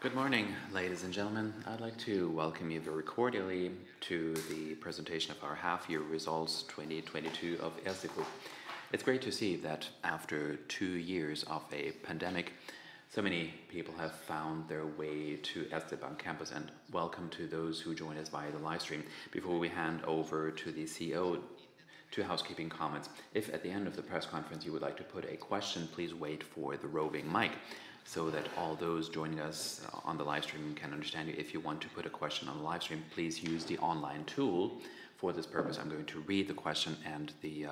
Good morning, ladies and gentlemen. I'd like to welcome you very cordially to the presentation of our half-year results 2022 of Erste Group. It's great to see that after two years of a pandemic, so many people have found their way to Erste Bank Campus, and welcome to those who join us via the live stream. Before we hand over to the CEO, two housekeeping comments. If at the end of the press conference you would like to put a question, please wait for the roving mic so that all those joining us on the live stream can understand you. If you want to put a question on the live stream, please use the online tool. For this purpose, I'm going to read the question, and the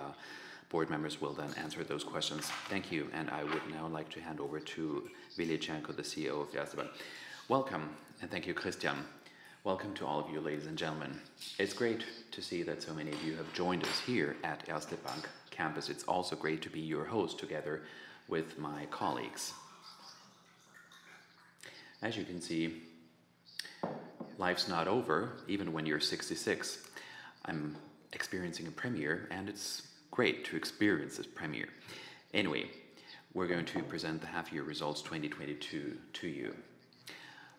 board members will then answer those questions. Thank you, and I would now like to hand over to Willibald Cernko, the CEO of Erste Bank. Welcome, and thank you, Christian. Welcome to all of you, ladies and gentlemen. It's great to see that so many of you have joined us here at Erste Bank Campus. It's also great to be your host together with my colleagues. As you can see, life's not over, even when you're 66. I'm experiencing a premiere, and it's great to experience this premiere. Anyway, we're going to present the half-year results 2022 to you.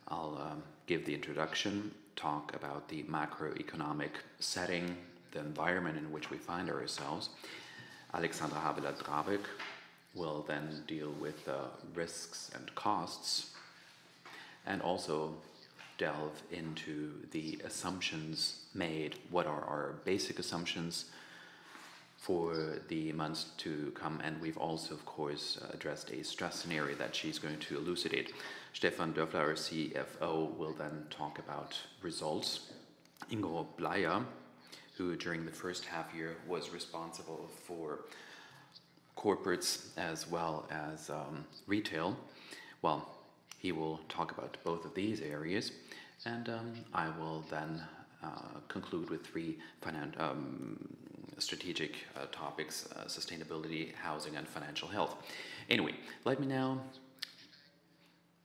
I'll give the introduction, talk about the macroeconomic setting, the environment in which we find ourselves. Alexandra Habeler-Drabek will then deal with risks and costs and also delve into the assumptions made, what are our basic assumptions for the months to come, and we've also, of course, addressed a stress scenario that she's going to elucidate. Stefan Dörfler, our CFO, will then talk about results. Ingo Bleier, who during the first half year was responsible for corporates as well as, retail, well, he will talk about both of these areas. I will then conclude with three strategic topics, sustainability, housing, and financial health. Anyway, let me now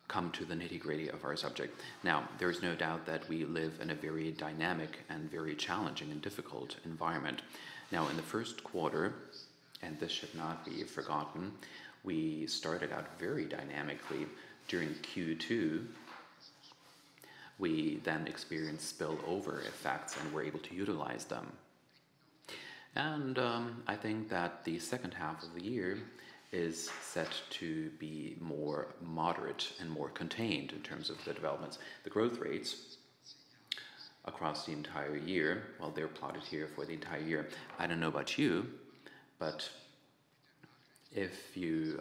come to the nitty-gritty of our subject. Now, there is no doubt that we live in a very dynamic and very challenging and difficult environment. Now, in the first quarter, and this should not be forgotten, we started out very dynamically. During Q2, we then experienced spillover effects and were able to utilize them. I think that the second half of the year is set to be more moderate and more contained in terms of the developments. The growth rates across the entire year, well, they're plotted here for the entire year. I don't know about you, but if you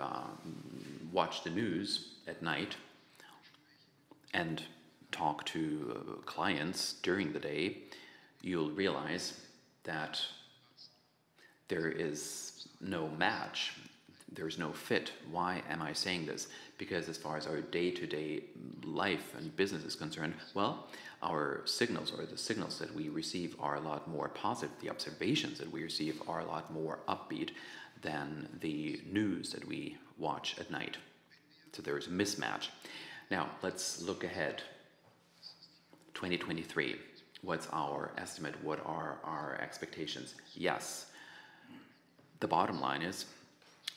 watch the news at night and talk to clients during the day, you'll realize that there is no match, there is no fit. Why am I saying this? Because as far as our day-to-day life and business is concerned, well, our signals or the signals that we receive are a lot more positive. The observations that we receive are a lot more upbeat than the news that we watch at night, so there is a mismatch. Now, let's look ahead. 2023, what's our estimate? What are our expectations? Yes, the bottom line is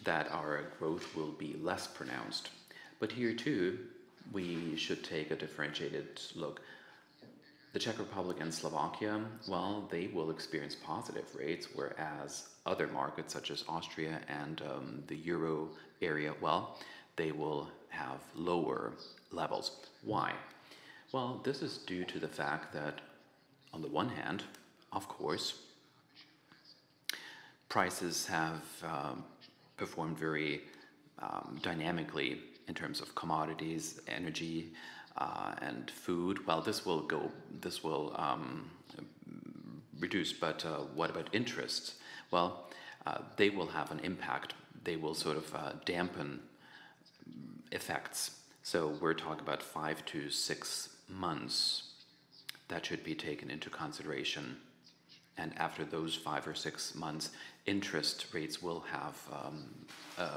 that our growth will be less pronounced. Here too, we should take a differentiated look. The Czech Republic and Slovakia, well, they will experience positive rates, whereas other markets such as Austria and the euro area, well, they will have lower levels. Why? Well, this is due to the fact that on the one hand, of course, prices have performed very dynamically in terms of commodities, energy, and food. Well, this will reduce, but what about interest? Well, they will have an impact. They will sort of dampen effects. We're talking about five to six months that should be taken into consideration, and after those five or six months, interest rates will have a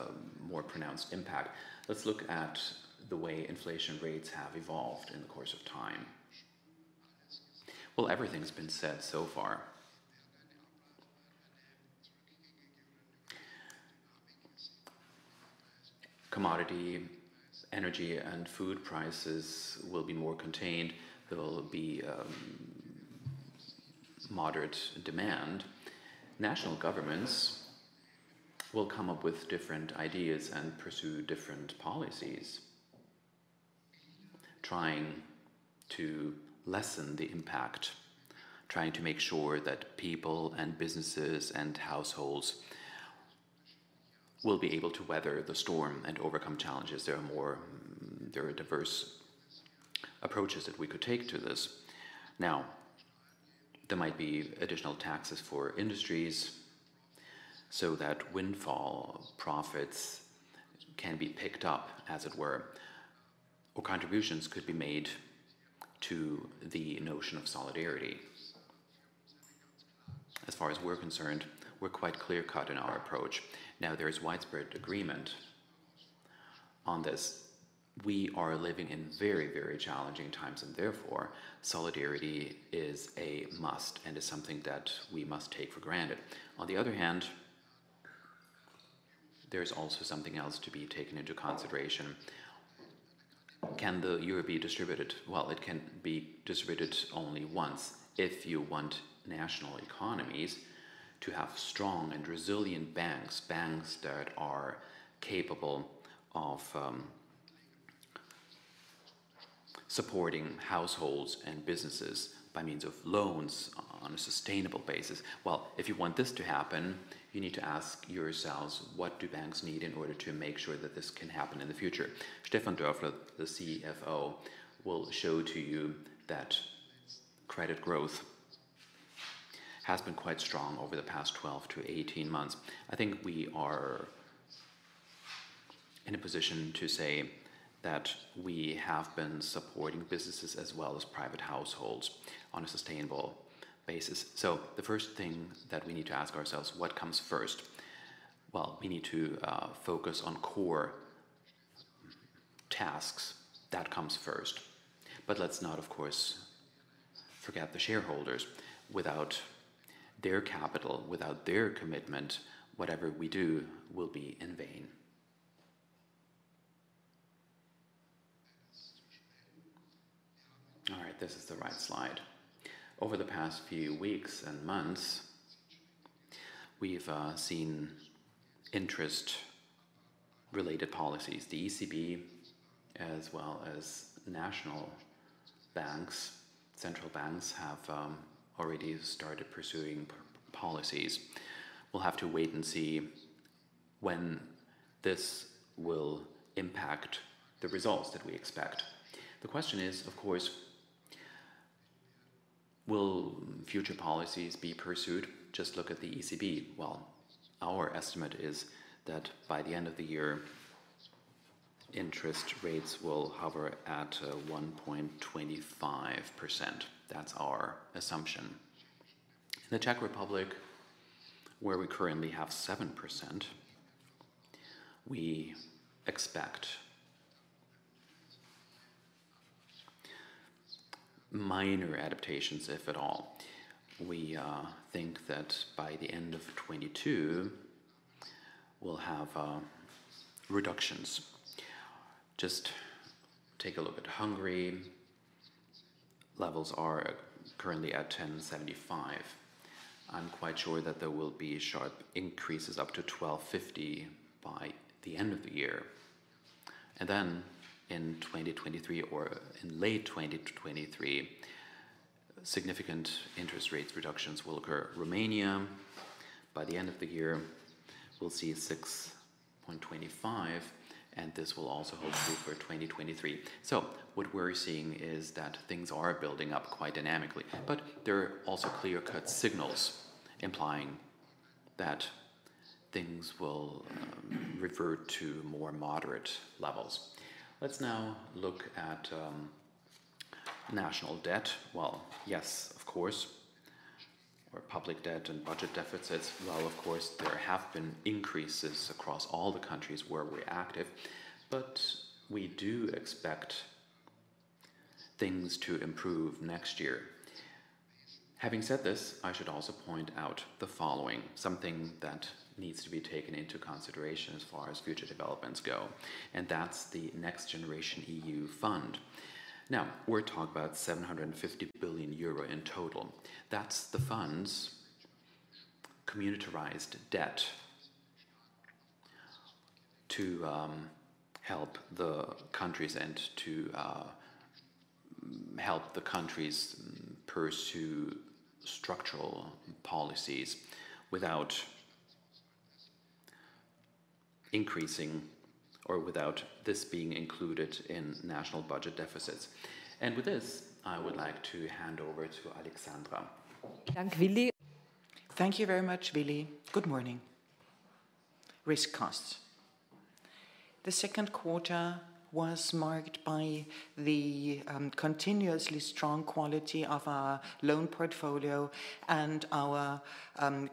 more pronounced impact. Let's look at the way inflation rates have evolved in the course of time. Well, everything's been said so far. Commodity, energy, and food prices will be more contained. There will be moderate demand. National governments will come up with different ideas and pursue different policies, trying to lessen the impact, trying to make sure that people and businesses and households will be able to weather the storm and overcome challenges. There are diverse approaches that we could take to this. Now, there might be additional taxes for industries so that windfall profits can be picked up, as it were, or contributions could be made to the notion of solidarity. As far as we're concerned, we're quite clear-cut in our approach. Now, there is widespread agreement on this. We are living in very, very challenging times, and therefore, solidarity is a must and is something that we must take for granted. On the other hand, there's also something else to be taken into consideration. Can the euro be distributed? Well, it can be distributed only once if you want national economies to have strong and resilient banks that are capable of supporting households and businesses by means of loans on a sustainable basis. Well, if you want this to happen, you need to ask yourselves, "What do banks need in order to make sure that this can happen in the future?" Stefan Dörfler, the CFO, will show to you that credit growth has been quite strong over the past 12-18 months. I think we are in a position to say that we have been supporting businesses as well as private households on a sustainable basis. The first thing that we need to ask ourselves: What comes first? Well, we need to focus on core tasks. That comes first. Let's not, of course, forget the shareholders. Without their capital, without their commitment, whatever we do will be in vain. All right, this is the right slide. Over the past few weeks and months, we've seen interest-related policies. The ECB, as well as national banks, central banks, have already started pursuing policies. We'll have to wait and see when this will impact the results that we expect. The question is, of course, will future policies be pursued? Just look at the ECB. Well, our estimate is that by the end of the year, interest rates will hover at 1.25%. That's our assumption. In the Czech Republic, where we currently have 7%, we expect minor adaptations, if at all. We think that by the end of 2022 we'll have reductions. Just take a look at Hungary. Levels are currently at 10.75%. I'm quite sure that there will be sharp increases up to 12.50% by the end of the year, and then in 2023 or in late 2023, significant interest rates reductions will occur. Romania, by the end of the year, we'll see 6.25%, and this will also hold true for 2023. What we're seeing is that things are building up quite dynamically, but there are also clear-cut signals implying that things will revert to more moderate levels. Let's now look at national debt. Well, yes, of course, or public debt and budget deficits. Well, of course, there have been increases across all the countries where we're active, but we do expect things to improve next year. Having said this, I should also point out the following, something that needs to be taken into consideration as far as future developments go, and that's the NextGenerationEU fund. Now, we're talking about 750 billion euro in total. That's the fund's communitarized debt to help the countries pursue structural policies without increasing or without this being included in national budget deficits. With this, I would like to hand over to Alexandra. Thank you very much, Willy. Good morning. Risk costs. The second quarter was marked by the continuously strong quality of our loan portfolio and our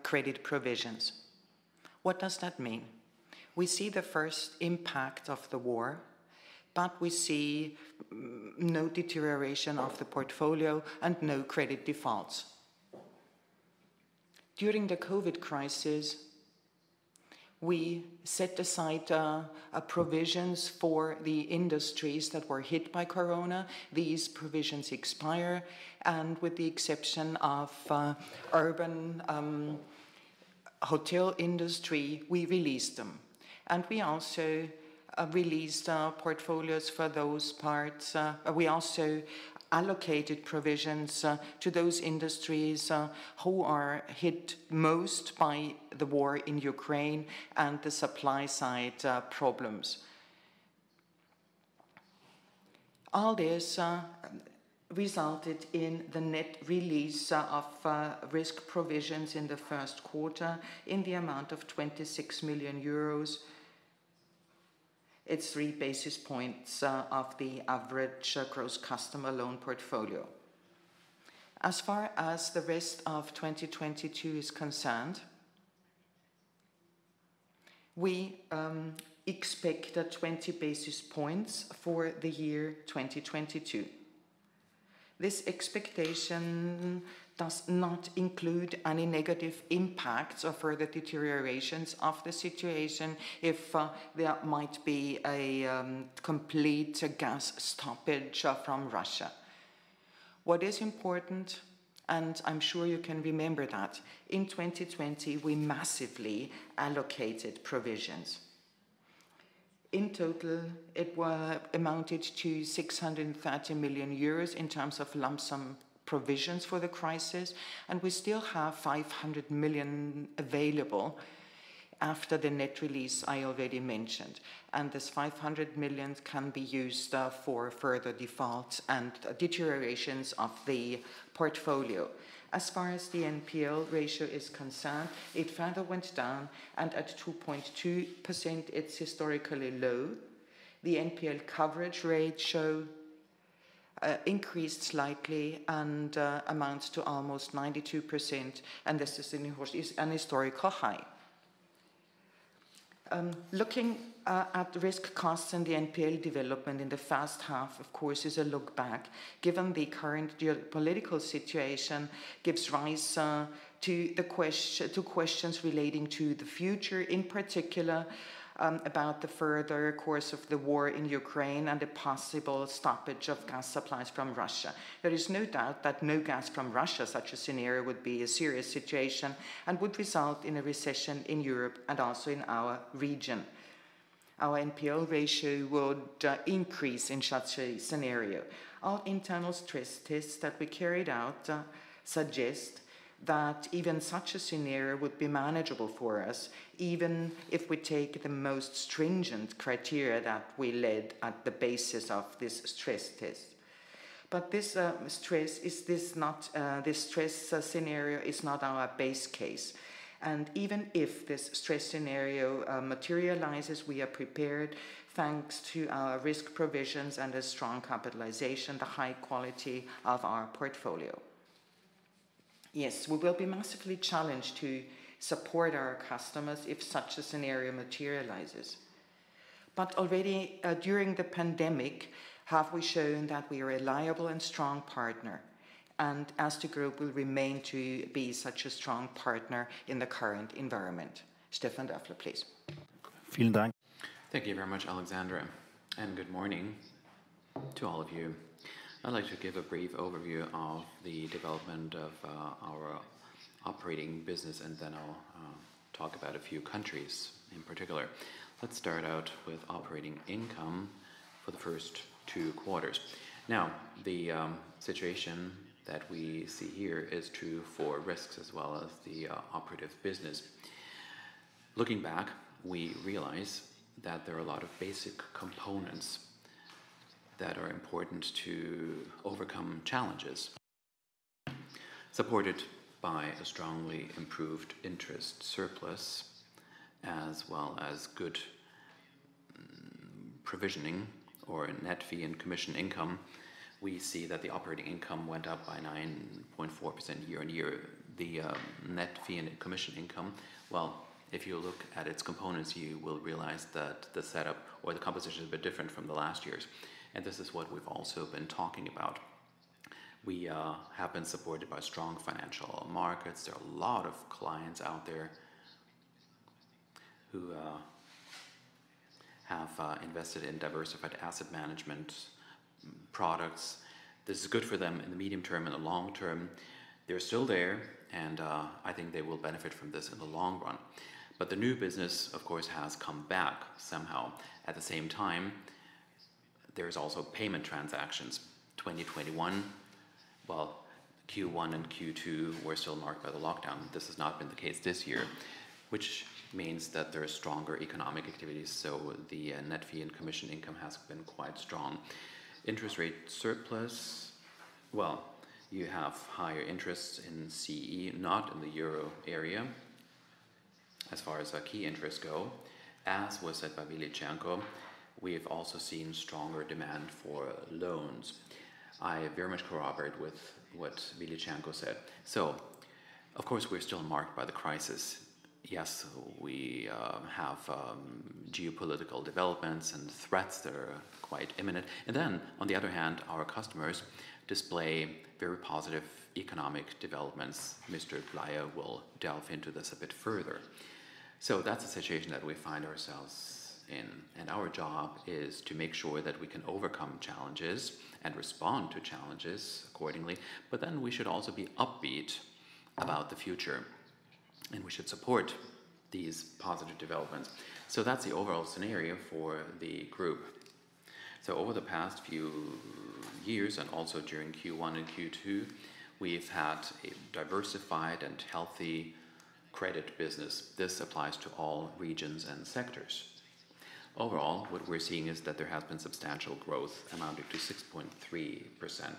credit provisions. What does that mean? We see the first impact of the war, but we see no deterioration of the portfolio and no credit defaults. During the COVID crisis, we set aside provisions for the industries that were hit by corona. These provisions expire, and with the exception of urban hotel industry, we released them, and we also released our portfolios for those parts. We also allocated provisions to those industries who are hit most by the war in Ukraine and the supply side problems. All this resulted in the net release of risk provisions in the first quarter in the amount of 26 million euros. It's three basis points of the average gross customer loan portfolio. As far as the rest of 2022 is concerned, we expect twenty basis points for the year 2022. This expectation does not include any negative impacts or further deteriorations of the situation if there might be a complete gas stoppage from Russia. What is important, and I'm sure you can remember that, in 2020, we massively allocated provisions. In total, it amounted to 630 million euros in terms of lump sum provisions for the crisis, and we still have 500 million available after the net release I already mentioned. This 500 million can be used for further defaults and deteriorations of the portfolio. As far as the NPL ratio is concerned, it further went down, and at 2.2% it's historically low. The NPL coverage ratio showed increased slightly and amounts to almost 92%, and this is an historical high. Looking at risk costs and the NPL development in the first half, of course, is a look back. Given the current geopolitical situation gives rise to questions relating to the future, in particular, about the further course of the war in Ukraine and a possible stoppage of gas supplies from Russia. There is no doubt that no gas from Russia, such a scenario would be a serious situation and would result in a recession in Europe and also in our region. Our NPL ratio would increase in such a scenario. Our internal stress tests that we carried out suggest that even such a scenario would be manageable for us, even if we take the most stringent criteria that we laid at the basis of this stress test. This stress scenario is not our base case. Even if this stress scenario materializes, we are prepared thanks to our risk provisions and a strong capitalization, the high quality of our portfolio. Yes, we will be massively challenged to support our customers if such a scenario materializes. Already during the pandemic have we shown that we are a reliable and strong partner, and as the group will remain to be such a strong partner in the current environment. Stefan Dörfler, please. Thank you very much, Alexandra, and good morning to all of you. I'd like to give a brief overview of the development of our operating business, and then I'll talk about a few countries in particular. Let's start out with operating income for the first 2 quarters. Now, the situation that we see here is true for risks as well as the operating business. Looking back, we realize that there are a lot of basic components that are important to overcome challenges. Supported by a strongly improved interest surplus as well as good provisioning or net fee and commission income, we see that the operating income went up by 9.4% year-on-year. Net fee and commission income, well, if you look at its components, you will realize that the setup or the composition is a bit different from last year's, and this is what we've also been talking about. We have been supported by strong financial markets. There are a lot of clients out there who have invested in diversified asset management products. This is good for them in the medium term and the long term. They're still there, and I think they will benefit from this in the long run. The new business, of course, has come back somehow. At the same time, there's also payment transactions. 2021, well, Q1 and Q2 were still marked by the lockdown. This has not been the case this year, which means that there are stronger economic activities, so the net fee and commission income has been quite strong. Interest rate surplus, well, you have higher interests in CE, not in the Euro area as far as our key interests go. As was said by Willibald Cernko, we have also seen stronger demand for loans. I very much corroborate with what Willibald Cernko said. Of course, we're still marked by the crisis. Yes, we have geopolitical developments and threats that are quite imminent. On the other hand, our customers display very positive economic developments. Mr. Bleier will delve into this a bit further. That's the situation that we find ourselves in, and our job is to make sure that we can overcome challenges and respond to challenges accordingly. We should also be upbeat about the future, and we should support these positive developments. That's the overall scenario for the group. Over the past few years, and also during Q1 and Q2, we've had a diversified and healthy credit business. This applies to all regions and sectors. Overall, what we're seeing is that there has been substantial growth amounting to 6.3%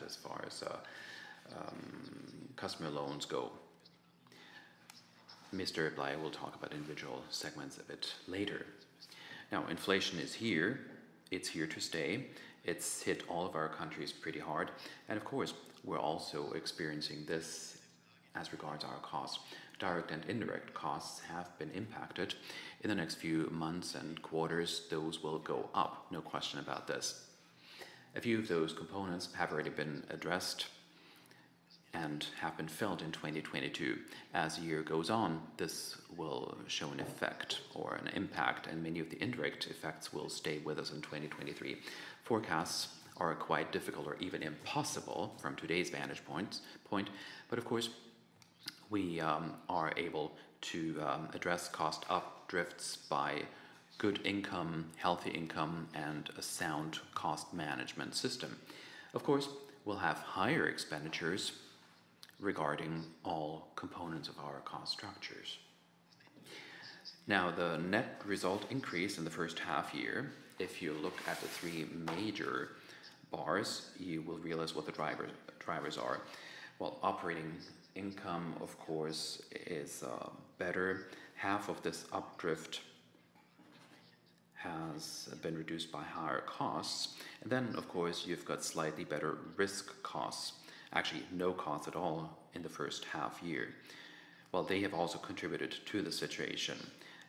as far as customer loans go. Mr. Bleier will talk about individual segments of it later. Now, inflation is here. It's here to stay. It's hit all of our countries pretty hard, and of course, we're also experiencing this as regards our costs. Direct and indirect costs have been impacted. In the next few months and quarters, those will go up, no question about this. A few of those components have already been addressed and have been felt in 2022. As the year goes on, this will show an effect or an impact, and many of the indirect effects will stay with us in 2023. Forecasts are quite difficult or even impossible from today's vantage point, but of course, we are able to address cost updrifts by good income, healthy income, and a sound cost management system. Of course, we'll have higher expenditures regarding all components of our cost structures. Now, the net result increase in the first half year, if you look at the three major bars, you will realize what the drivers are. While operating income, of course, is better, half of this updrift has been reduced by higher costs. Of course, you've got slightly better risk costs, actually no cost at all in the first half year. Well, they have also contributed to the situation.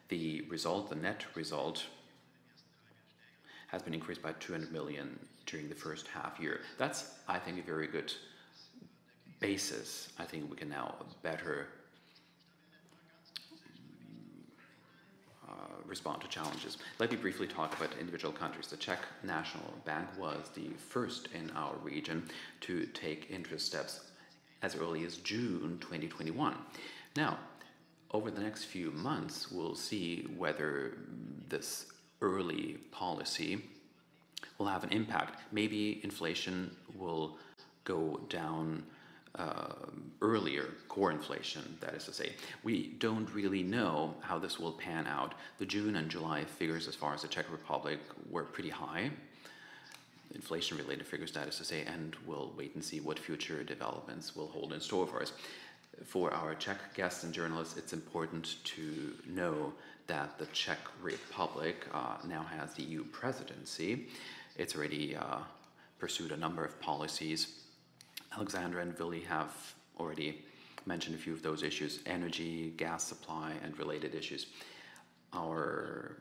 The result, the net result, has been increased by 200 million during the first half year. That's, I think, a very good basis. I think we can now better respond to challenges. Let me briefly talk about individual countries. The Czech National Bank was the first in our region to take interest rate steps as early as June 2021. Now, over the next few months, we'll see whether this early policy will have an impact. Maybe inflation will go down earlier, core inflation, that is to say. We don't really know how this will pan out. The June and July figures as far as the Czech Republic were pretty high, inflation-related figures, that is to say, and we'll wait and see what future developments will hold in store for us. For our Czech guests and journalists, it's important to know that the Czech Republic now has the EU presidency. It's already pursued a number of policies. Alexandra and Willy have already mentioned a few of those issues. Energy, gas supply, and related issues. Our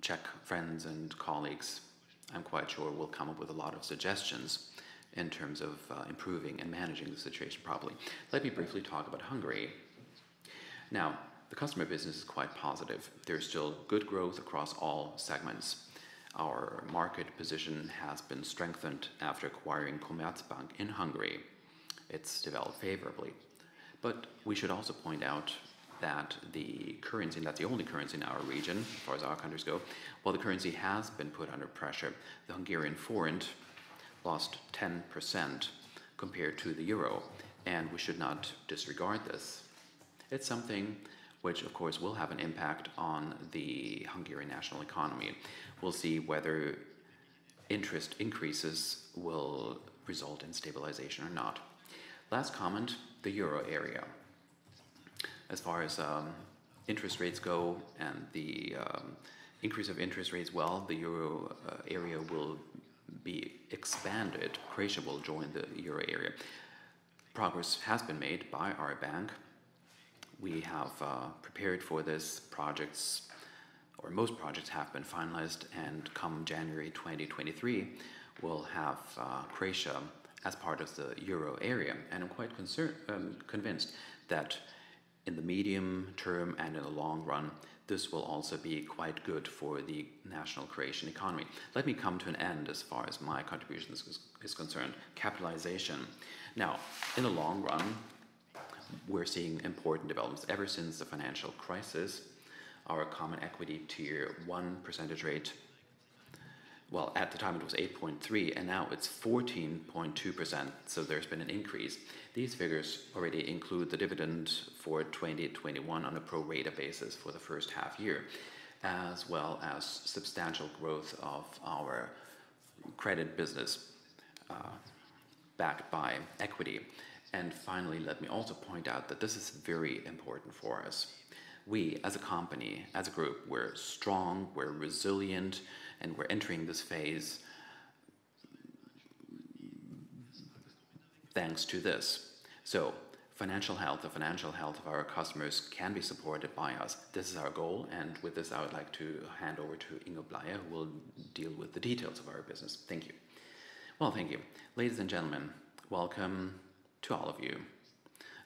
Czech friends and colleagues, I'm quite sure, will come up with a lot of suggestions in terms of improving and managing the situation properly. Let me briefly talk about Hungary. Now, the customer business is quite positive. There's still good growth across all segments. Our market position has been strengthened after acquiring Commerzbank in Hungary. It's developed favorably. We should also point out that the currency, not the only currency in our region as far as our countries go, while the currency has been put under pressure, the Hungarian forint lost 10% compared to the euro, and we should not disregard this. It's something which, of course, will have an impact on the Hungarian national economy. We'll see whether interest increases will result in stabilization or not. Last comment, the euro area. As far as interest rates go and the increase of interest rates, well, the euro area will be expanded. Croatia will join the euro area. Progress has been made by our bank. We have prepared for this. Projects or most projects have been finalized, and come January 2023, we'll have Croatia as part of the euro area. I'm quite convinced that in the medium term and in the long run, this will also be quite good for the national Croatian economy. Let me come to an end as far as my contribution is concerned. Capitalization. Now, in the long run, we're seeing important developments. Ever since the financial crisis, our Common Equity Tier 1 percentage rate, well, at the time it was 8.3, and now it's 14.2%, so there's been an increase. These figures already include the dividend for 2021 on a pro rata basis for the first half year, as well as substantial growth of our credit business, backed by equity. Finally, let me also point out that this is very important for us. We as a company, as a group, we're strong, we're resilient, and we're entering this phase thanks to this. Financial health, the financial health of our customers can be supported by us. This is our goal, and with this, I would like to hand over to Ingo Bleier, who will deal with the details of our business. Thank you. Well, thank you. Ladies and gentlemen, welcome to all of you.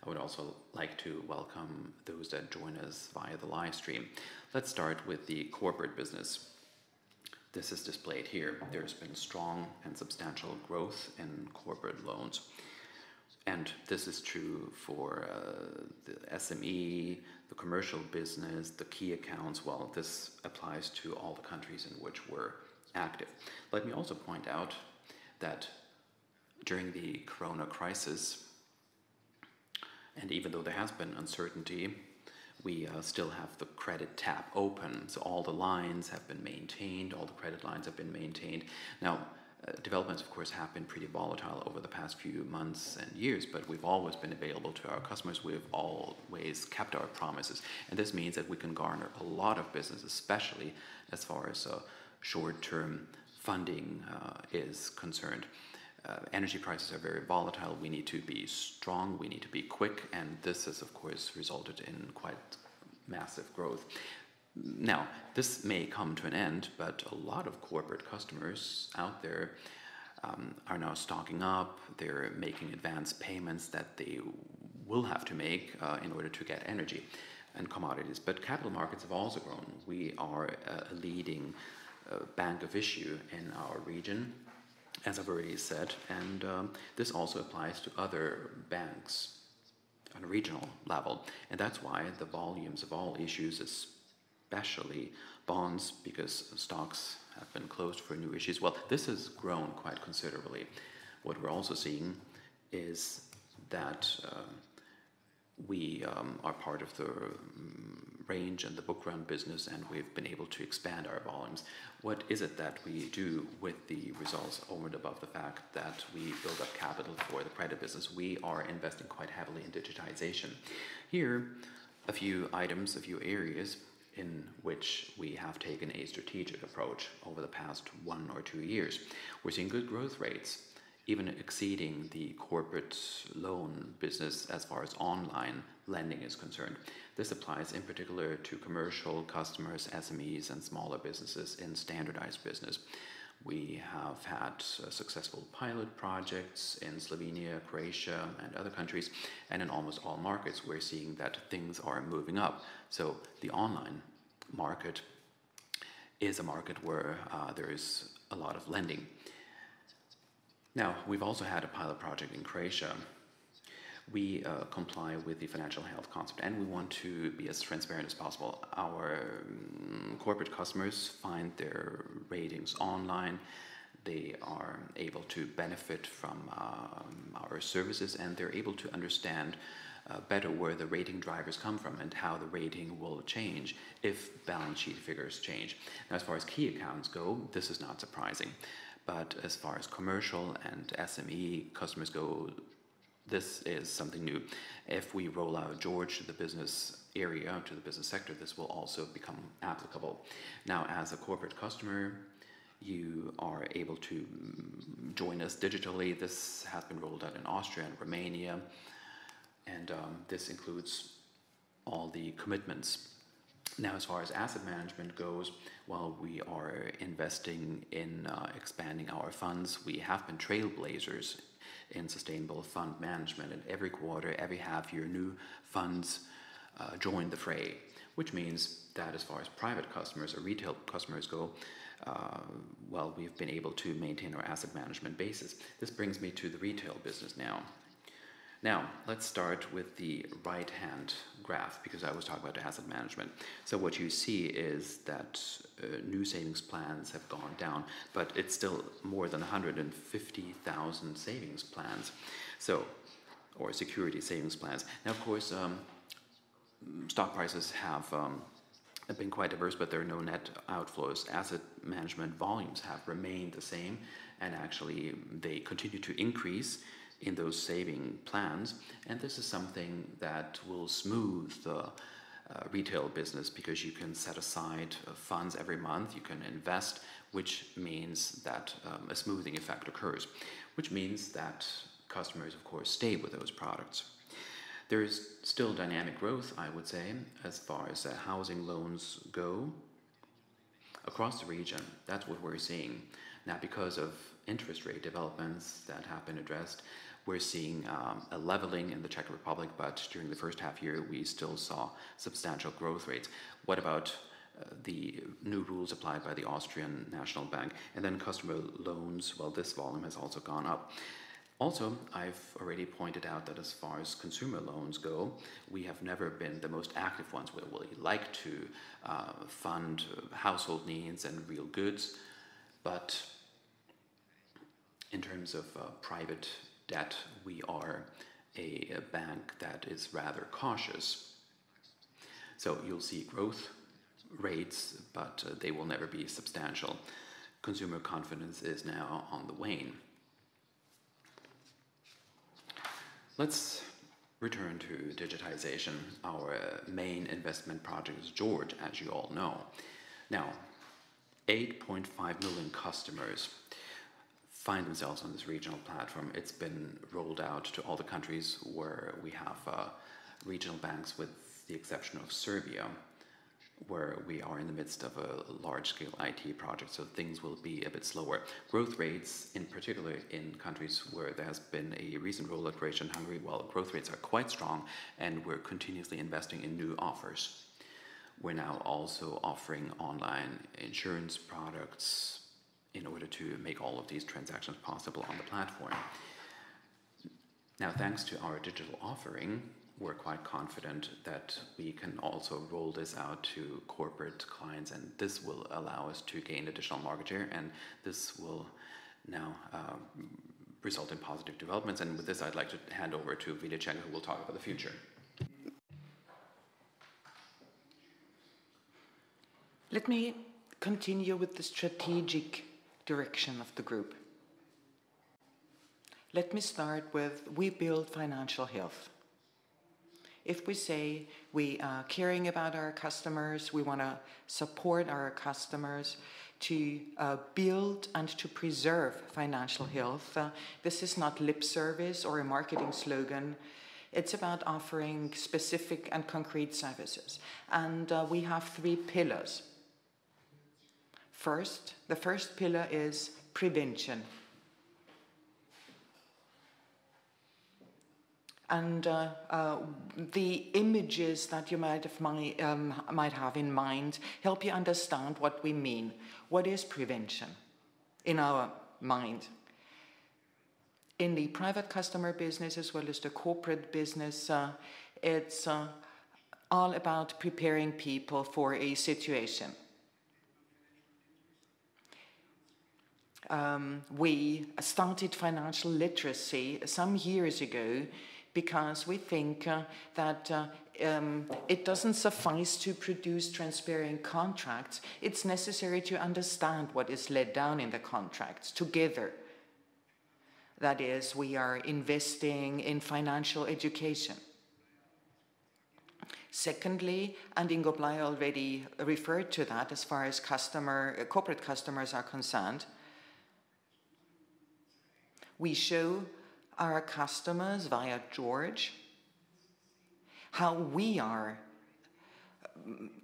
I would also like to welcome those that join us via the live stream. Let's start with the corporate business. This is displayed here. There's been strong and substantial growth in corporate loans, and this is true for, the SME, the commercial business, the key accounts. Well, this applies to all the countries in which we're active. Let me also point out that during the corona crisis and even though there has been uncertainty, we still have the credit tap open. All the lines have been maintained, all the credit lines have been maintained. Now, developments, of course, have been pretty volatile over the past few months and years, but we've always been available to our customers. We have always kept our promises, and this means that we can garner a lot of business, especially as far as short-term funding is concerned. Energy prices are very volatile. We need to be strong, we need to be quick, and this has, of course, resulted in quite massive growth. Now, this may come to an end, but a lot of corporate customers out there are now stocking up. They're making advance payments that they will have to make in order to get energy and commodities. Capital markets have also grown. We are a leading bank of issue in our region, as I've already said, and this also applies to other banks on a regional level. That's why the volumes of all issues, especially bonds, because stocks have been closed for new issues, well, this has grown quite considerably. What we're also seeing is that we are part of the ECM and the bookrunner business, and we've been able to expand our volumes. What is it that we do with the results over and above the fact that we build up capital for the private business? We are investing quite heavily in digitization. Here, a few items, a few areas in which we have taken a strategic approach over the past 1 or 2 years. We're seeing good growth rates, even exceeding the corporate loan business as far as online lending is concerned. This applies in particular to commercial customers, SMEs, and smaller businesses in standardized business. We have had successful pilot projects in Slovenia, Croatia, and other countries, and in almost all markets, we're seeing that things are moving up. The online market is a market where there is a lot of lending. Now, we've also had a pilot project in Croatia. We comply with the financial health concept, and we want to be as transparent as possible. Our corporate customers find their ratings online. They are able to benefit from our services, and they're able to understand better where the rating drivers come from and how the rating will change if balance sheet figures change. Now, as far as key accounts go, this is not surprising. As far as commercial and SME customers go, this is something new. If we roll out George to the business area, to the business sector, this will also become applicable. Now, as a corporate customer, you are able to join us digitally. This has been rolled out in Austria and Romania, and this includes all the commitments. Now, as far as asset management goes, well, we are investing in expanding our funds. We have been trailblazers in sustainable fund management, and every quarter, every half year, new funds join the fray, which means that as far as private customers or retail customers go, well, we've been able to maintain our asset management basis. This brings me to the retail business now. Now, let's start with the right-hand graph because I was talking about the asset management. What you see is that new savings plans have gone down, but it's still more than 150,000 savings plans, or security savings plans. Now, of course, stock prices have been quite diverse, but there are no net outflows. Asset management volumes have remained the same, and actually, they continue to increase in those saving plans. This is something that will smooth the retail business because you can set aside funds every month. You can invest, which means that a smoothing effect occurs, which means that customers, of course, stay with those products. There is still dynamic growth, I would say, as far as housing loans go across the region. That's what we're seeing. Now, because of interest rate developments that have been addressed, we're seeing a leveling in the Czech Republic, but during the first half year, we still saw substantial growth rates. What about the new rules applied by the Austrian National Bank and then customer loans? Well, this volume has also gone up. Also, I've already pointed out that as far as consumer loans go, we have never been the most active ones. We like to fund household needs and real goods. In terms of private debt, we are a bank that is rather cautious. You'll see growth rates, but they will never be substantial. Consumer confidence is now on the wane. Let's return to digitization. Our main investment project is George, as you all know. Now, 8.5 million customers find themselves on this regional platform. It's been rolled out to all the countries where we have regional banks, with the exception of Serbia, where we are in the midst of a large-scale IT project, so things will be a bit slower. Growth rates, in particular in countries where there has been a recent roll, like Croatia and Hungary, well, growth rates are quite strong, and we're continuously investing in new offers. We're now also offering online insurance products in order to make all of these transactions possible on the platform. Now, thanks to our digital offering, we're quite confident that we can also roll this out to corporate clients, and this will allow us to gain additional market share, and this will now result in positive developments. With this, I'd like to hand over to Willibald Cernko, who will talk about the future. Let me continue with the strategic direction of the group. Let me start with we build financial health. If we say we are caring about our customers, we wanna support our customers to build and to preserve financial health, this is not lip service or a marketing slogan. It's about offering specific and concrete services. We have three pillars. First, the first pillar is prevention. The images that you might have might have in mind help you understand what we mean. What is prevention in our mind? In the private customer business as well as the corporate business, it's all about preparing people for a situation. We started financial literacy some years ago because we think that it doesn't suffice to produce transparent contracts. It's necessary to understand what is laid down in the contracts together. That is, we are investing in financial education. Secondly, Ingo Bleier already referred to that as far as corporate customers are concerned, we show our customers via George how we are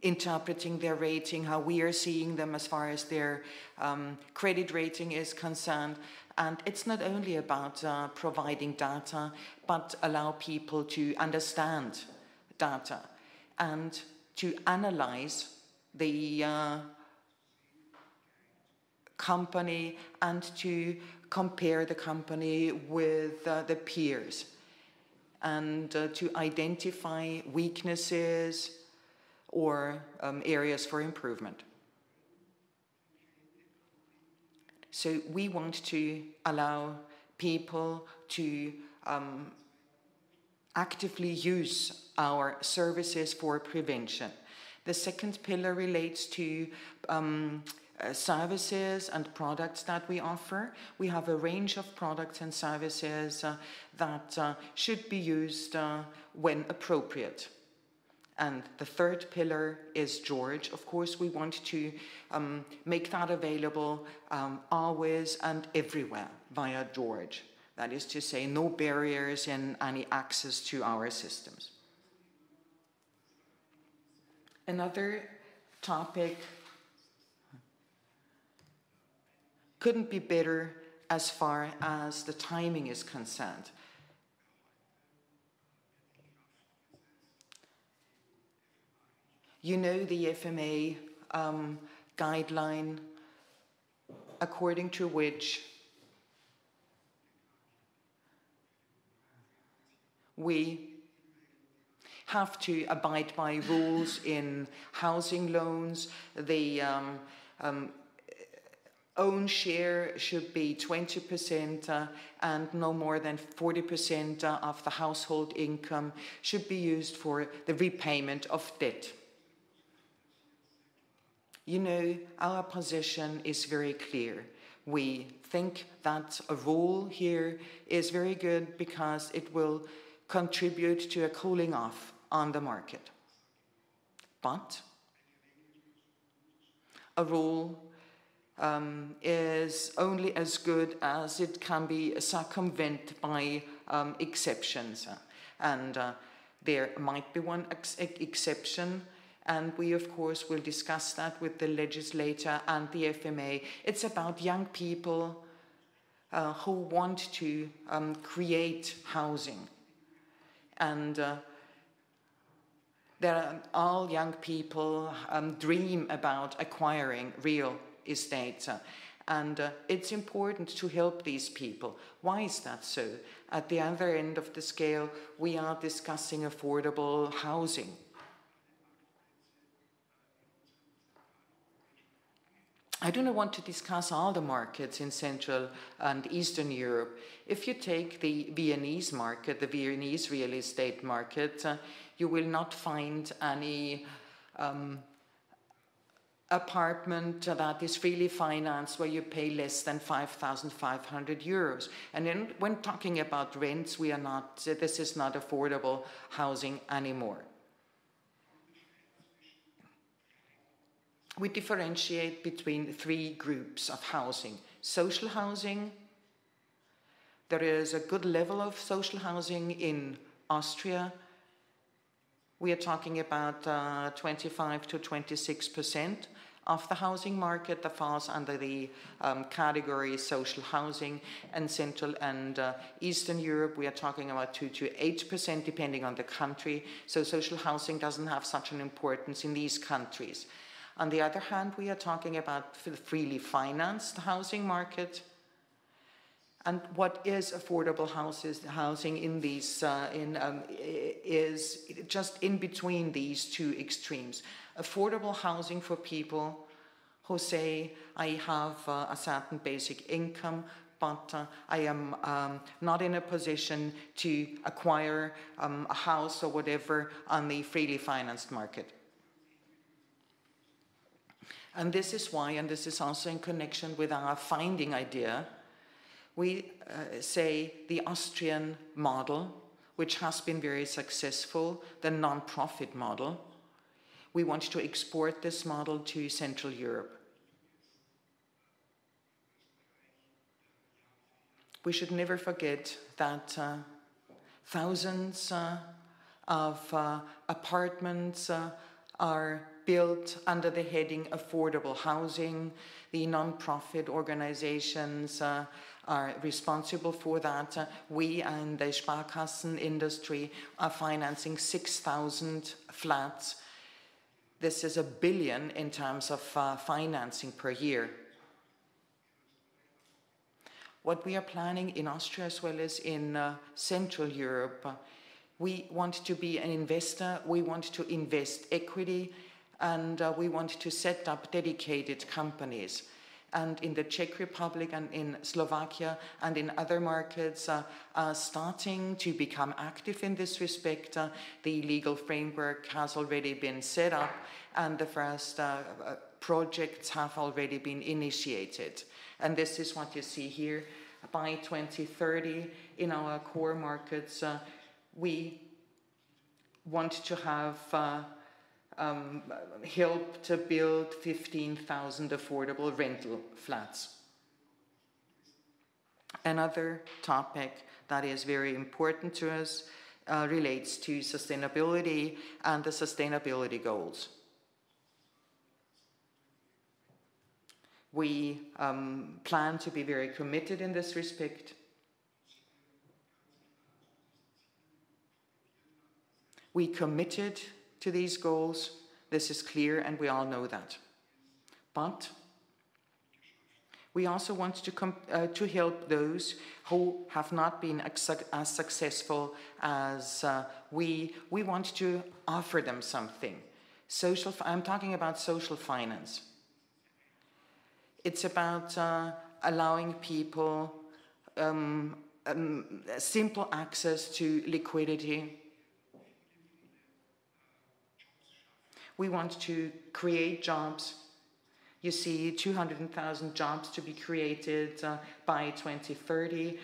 interpreting their rating, how we are seeing them as far as their credit rating is concerned, and it's not only about providing data, but allow people to understand data and to analyze the company and to compare the company with the peers and to identify weaknesses or areas for improvement. We want to allow people to actively use our services for prevention. The second pillar relates to services and products that we offer. We have a range of products and services that should be used when appropriate. The third pillar is George. Of course, we want to make that available always and everywhere via George. That is to say no barriers in any access to our systems. Another topic couldn't be better as far as the timing is concerned. You know the FMA guideline according to which we have to abide by rules in housing loans. The own share should be 20%, and no more than 40% of the household income should be used for the repayment of debt. You know, our position is very clear. We think that a rule here is very good because it will contribute to a cooling off on the market. A rule is only as good as it can be circumvented by exceptions, and there might be one exception, and we of course will discuss that with the legislator and the FMA. It's about young people who want to create housing and all young people dream about acquiring real estate and it's important to help these people. Why is that so? At the other end of the scale, we are discussing affordable housing. I do not want to discuss all the markets in Central and Eastern Europe. If you take the Viennese market, the Viennese real estate market, you will not find any apartment that is freely financed where you pay less than 5,500 euros. When talking about rents, this is not affordable housing anymore. We differentiate between three groups of housing. Social housing, there is a good level of social housing in Austria. We are talking about 25%-26% of the housing market that falls under the category social housing. In Central and Eastern Europe, we are talking about 2%-8% depending on the country. Social housing doesn't have such an importance in these countries. On the other hand, we are talking about freely financed housing market, and what is affordable housing in these is just in between these two extremes. Affordable housing for people who say, I have a certain basic income, but I am not in a position to acquire a house or whatever on the freely financed market. This is why, and this is also in connection with our funding idea, we say the Austrian model, which has been very successful, the nonprofit model, we want to export this model to Central Europe. We should never forget that thousands of apartments are built under the heading Affordable Housing. The nonprofit organizations are responsible for that. We and the Sparkassen industry are financing 6,000 flats. This is 1 billion in terms of financing per year. What we are planning in Austria as well as in Central Europe, we want to be an investor, we want to invest equity, and we want to set up dedicated companies. In the Czech Republic and in Slovakia and in other markets are starting to become active in this respect. The legal framework has already been set up, and the first projects have already been initiated. This is what you see here. By 2030, in our core markets, we want to have help to build 15,000 affordable rental flats. Another topic that is very important to us relates to sustainability and the sustainability goals. We plan to be very committed in this respect. We committed to these goals. This is clear, and we all know that. We also want to help those who have not been as successful as we. We want to offer them something. I'm talking about social finance. It's about allowing people simple access to liquidity. We want to create jobs. You see 200,000 jobs to be created by 2030.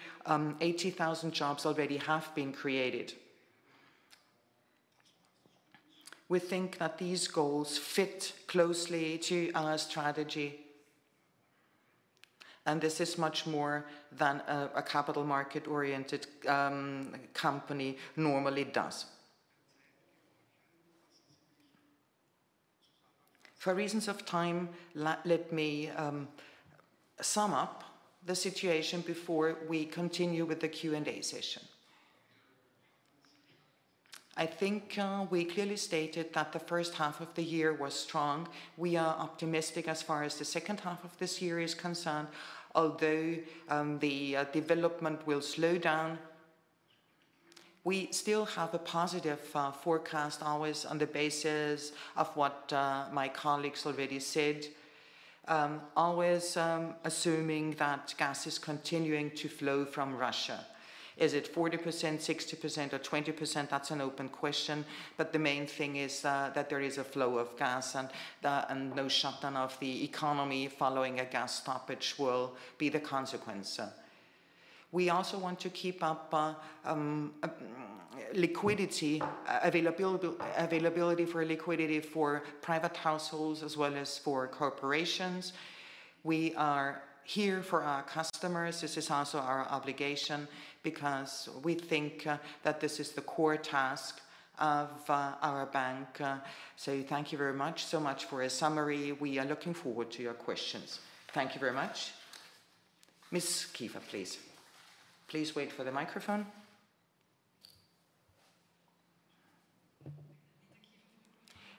80,000 jobs already have been created. We think that these goals fit closely to our strategy, and this is much more than a capital market-oriented company normally does. For reasons of time, let me sum up the situation before we continue with the Q&A session. I think we clearly stated that the first half of the year was strong. We are optimistic as far as the second half of this year is concerned, although the development will slow down. We still have a positive forecast always on the basis of what my colleagues already said. Always assuming that gas is continuing to flow from Russia. Is it 40%, 60%, or 20%? That's an open question. But the main thing is that there is a flow of gas and no shutdown of the economy following a gas stoppage will be the consequence. We also want to keep up liquidity, availability for liquidity for private households as well as for corporations. We are here for our customers. This is also our obligation because we think that this is the core task of our bank. Thank you very much. So much for a summary. We are looking forward to your questions. Thank you very much. Ms. Kiefer, please. Please wait for the microphone.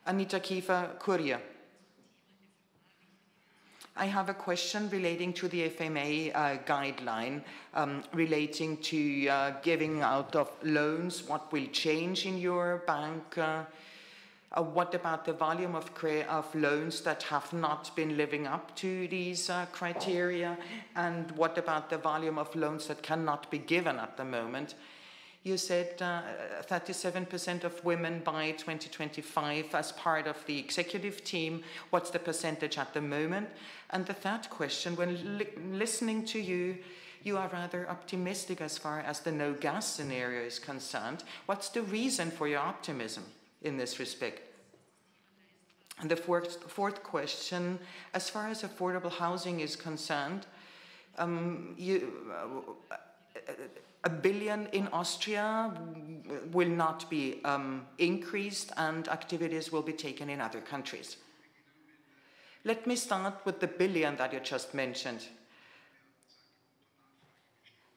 Anita Kiefer, Kurier. I have a question relating to the FMA guideline relating to giving out of loans. What will change in your bank? What about the volume of loans that have not been living up to these criteria? And what about the volume of loans that cannot be given at the moment? You said 37% of women by 2025 as part of the executive team. What's the percentage at the moment? The third question, when listening to you are rather optimistic as far as the no gas scenario is concerned. What's the reason for your optimism in this respect? The fourth question, as far as affordable housing is concerned, you a billion in Austria will not be increased, and activities will be taken in other countries. Let me start with the billion that you just mentioned.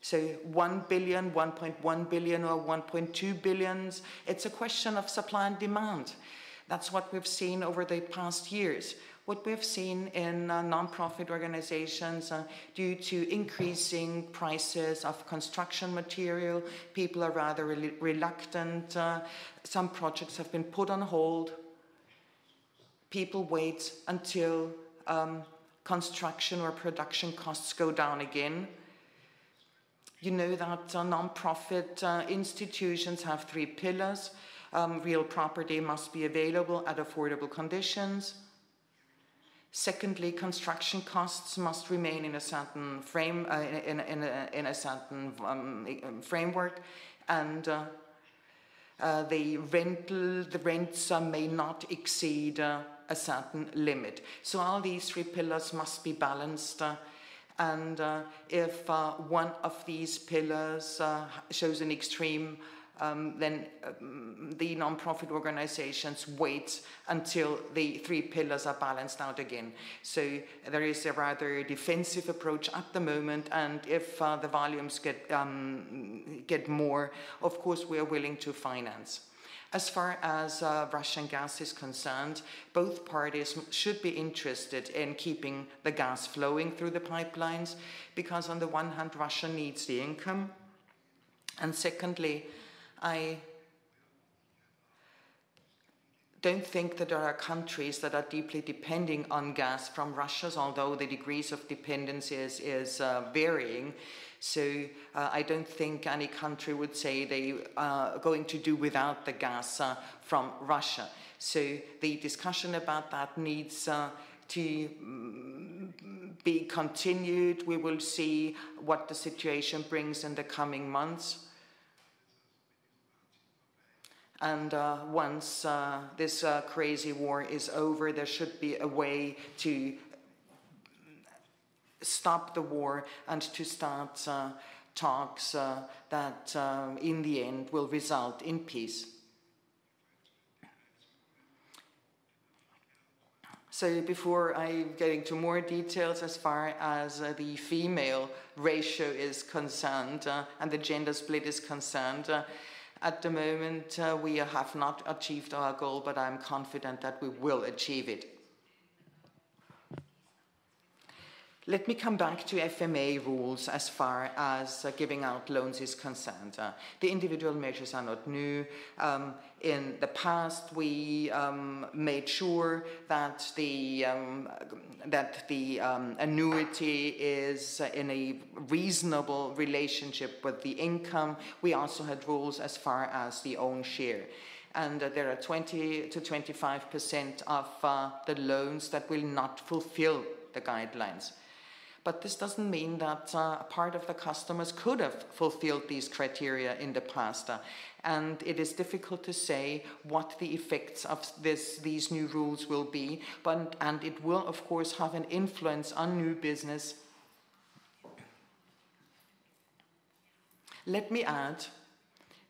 So 1 billion, 1.1 billion, or 1.2 billion, it's a question of supply and demand. That's what we've seen over the past years. What we have seen in nonprofit organizations due to increasing prices of construction material, people are rather reluctant. Some projects have been put on hold. People wait until construction or production costs go down again. You know that nonprofit institutions have three pillars. Real property must be available at affordable conditions. Secondly, construction costs must remain in a certain framework. The rents may not exceed a certain limit. All these three pillars must be balanced, and if one of these pillars shows an extreme, then the nonprofit organizations wait until the three pillars are balanced out again. There is a rather defensive approach at the moment, and if the volumes get more, of course, we are willing to finance. As far as Russian gas is concerned, both parties should be interested in keeping the gas flowing through the pipelines because on the one hand, Russia needs the income, and secondly, I don't think that there are countries that are deeply depending on gas from Russia, although the degrees of dependence is varying. I don't think any country would say they are going to do without the gas from Russia. The discussion about that needs to be continued. We will see what the situation brings in the coming months. Once this crazy war is over, there should be a way to stop the war and to start talks that in the end will result in peace. Before I go into more details as far as the female ratio is concerned, and the gender split is concerned, at the moment, we have not achieved our goal, but I'm confident that we will achieve it. Let me come back to FMA rules as far as giving out loans is concerned. The individual measures are not new. In the past, we made sure that the annuity is in a reasonable relationship with the income. We also had rules as far as the own share, and there are 20%-25% of the loans that will not fulfill the guidelines. This doesn't mean that part of the customers could have fulfilled these criteria in the past, and it is difficult to say what the effects of these new rules will be, and it will of course have an influence on new business. Let me add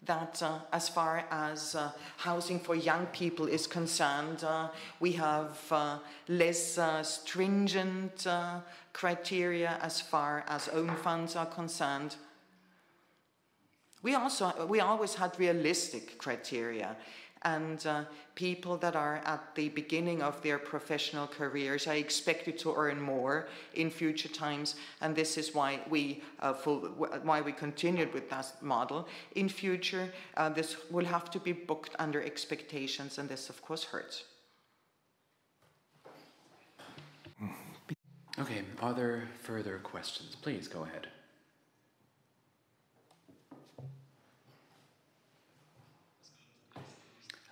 that, as far as housing for young people is concerned, we have less stringent criteria as far as own funds are concerned. We also always had realistic criteria, and people that are at the beginning of their professional careers are expected to earn more in future times, and this is why we continued with that model. In future, this will have to be booked under expectations, and this of course hurts. Okay. Are there further questions? Please go ahead.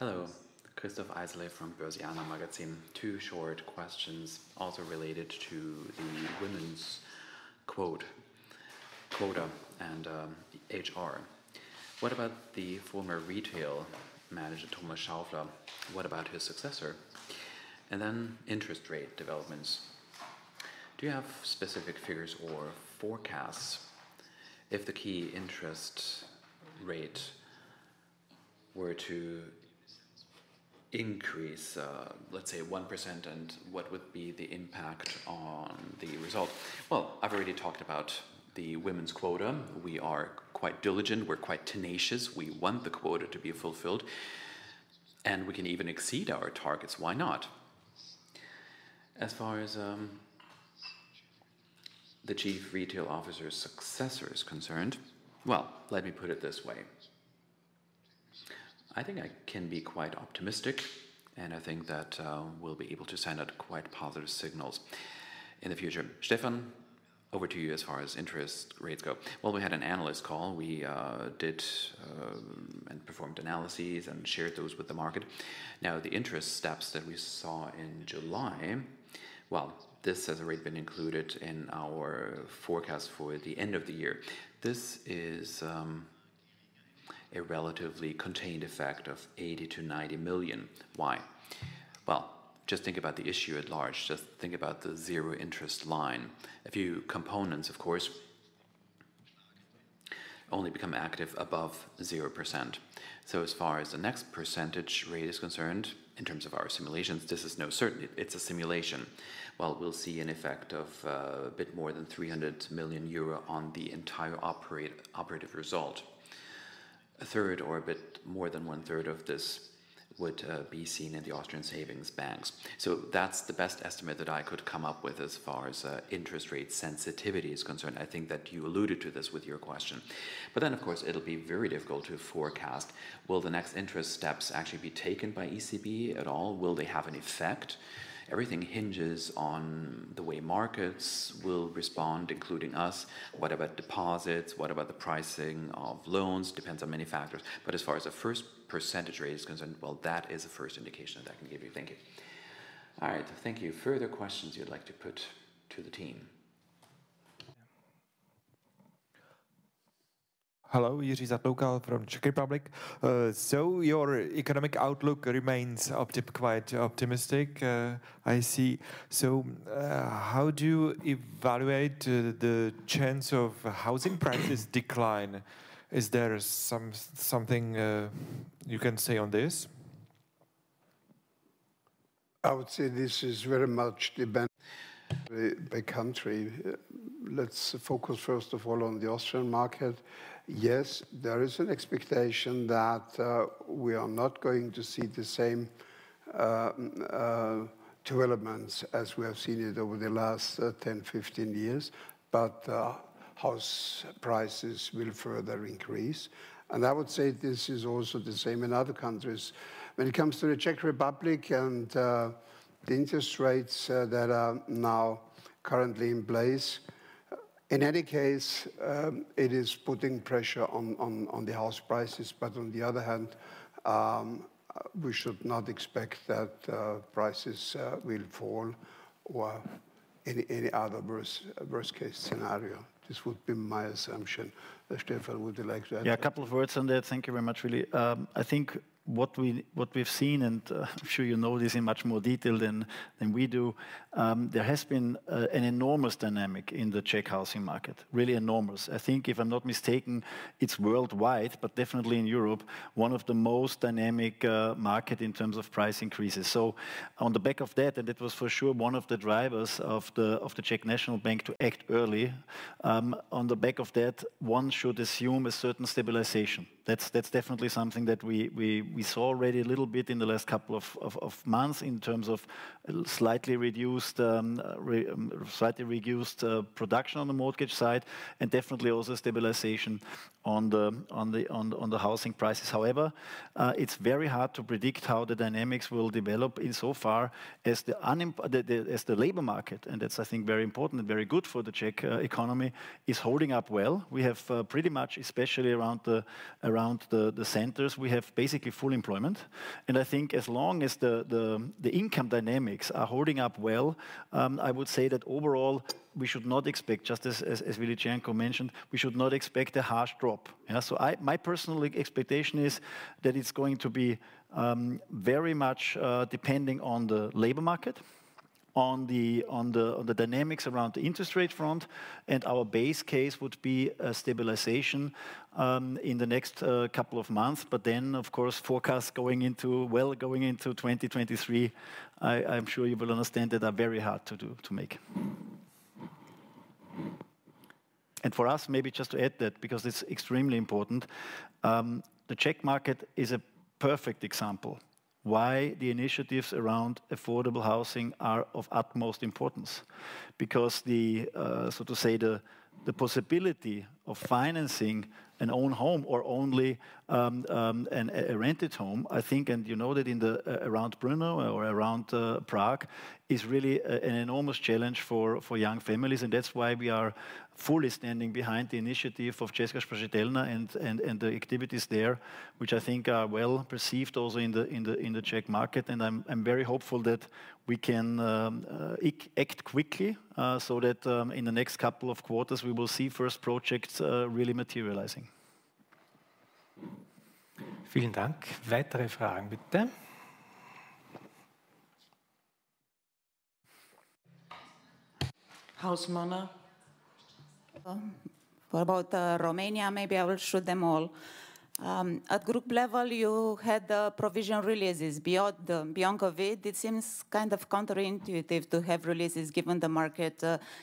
Hello. Christoph Eisele from Börsianer Magazin. Two short questions also related to the women's quota and HR. What about the former Chief Retail Officer, Thomas Schaufler? What about his successor? And then interest rate developments. Do you have specific figures or forecasts if the key interest rate were to increase, let's say 1%, and what would be the impact on the result? Well, I've already talked about the women's quota. We are quite diligent. We're quite tenacious. We want the quota to be fulfilled, and we can even exceed our targets. Why not? As far as the chief retail officer's successor is concerned, well, let me put it this way. I think I can be quite optimistic, and I think that we'll be able to send out quite positive signals in the future. Stefan, over to you as far as interest rates go. Well, we had an analyst call. We did and performed analyses and shared those with the market. Now, the interest steps that we saw in July, well, this has already been included in our forecast for the end of the year. This is a relatively contained effect of 80 million-90 million. Why? Well, just think about the issue at large. Just think about the zero interest line. A few components, of course, only become active above 0%. As far as the next percentage rate is concerned, in terms of our simulations, this is no certainty. It's a simulation. Well, we'll see an effect of a bit more than 300 million euro on the entire operative result. A third or a bit more than one-third of this would be seen in the Austrian savings banks. That's the best estimate that I could come up with as far as interest rate sensitivity is concerned. I think that you alluded to this with your question. Of course, it'll be very difficult to forecast. Will the next interest steps actually be taken by ECB at all? Will they have an effect? Everything hinges on the way markets will respond, including us. What about deposits? What about the pricing of loans? Depends on many factors, but as far as the first percentage rate is concerned, well, that is the first indication that I can give you. Thank you. All right. Thank you. Further questions you'd like to put to the team. Hello. Jiří Zatloukal from Czech Republic. Your economic outlook remains quite optimistic, I see. How do you evaluate the chance of housing prices decline? Is there something you can say on this? I would say this is very much depend by country. Let's focus, first of all, on the Austrian market. Yes, there is an expectation that we are not going to see the same developments as we have seen it over the last 10, 15 years, but house prices will further increase. I would say this is also the same in other countries. When it comes to the Czech Republic and the interest rates that are now currently in place, in any case, it is putting pressure on the house prices. On the other hand, we should not expect that prices will fall or any other worse case scenario. This would be my assumption. Stefan, would you like to add? Yeah, a couple of words on that. Thank you very much, Willy. I think what we've seen, and I'm sure you know this in much more detail than we do, there has been an enormous dynamic in the Czech housing market. Really enormous. I think, if I'm not mistaken, it's worldwide, but definitely in Europe, one of the most dynamic market in terms of price increases. On the back of that, and it was for sure one of the drivers of the Czech National Bank to act early, on the back of that, one should assume a certain stabilization. That's definitely something that we saw already a little bit in the last couple of months in terms of slightly reduced production on the mortgage side, and definitely also stabilization on the housing prices. However, it's very hard to predict how the dynamics will develop insofar as the labor market, and that's, I think, very important and very good for the Czech economy, is holding up well. We have pretty much, especially around the centers, we have basically full employment. I think as long as the income dynamics are holding up well, I would say that overall, we should not expect, just as Willibald Cernko mentioned, we should not expect a harsh drop. My personal expectation is that it's going to be very much depending on the labor market, on the dynamics around the interest rate front, and our base case would be a stabilization in the next couple of months. Of course, forecasts going into 2023, I'm sure you will understand, that are very hard to do, to make. For us, maybe just to add that, because it's extremely important, the Czech market is a perfect example why the initiatives around affordable housing are of utmost importance. Because the so to say, the possibility of financing an own home or only a rented home, I think, and you know that in the around Brno or around Prague, is really an enormous challenge for young families. That's why we are fully standing behind the initiative of Česká spořitelna and the activities there, which I think are well perceived also in the Czech market. I'm very hopeful that we can act quickly, so that in the next couple of quarters, we will see first projects really materializing. What about Romania? Maybe I will shoot them all. At group level, you had the provision releases. Beyond COVID, it seems kind of counterintuitive to have releases given the market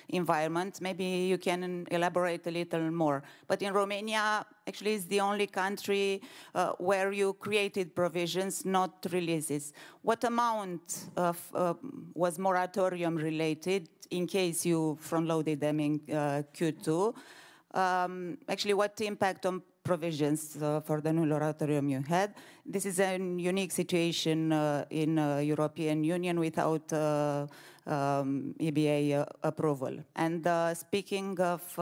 environment. Maybe you can elaborate a little more. In Romania, actually it's the only country where you created provisions, not releases. What amount of was moratorium related in case you front-loaded them in Q2? Actually, what impact on provisions for the new moratorium you had? This is a unique situation in European Union without EBA approval. Speaking of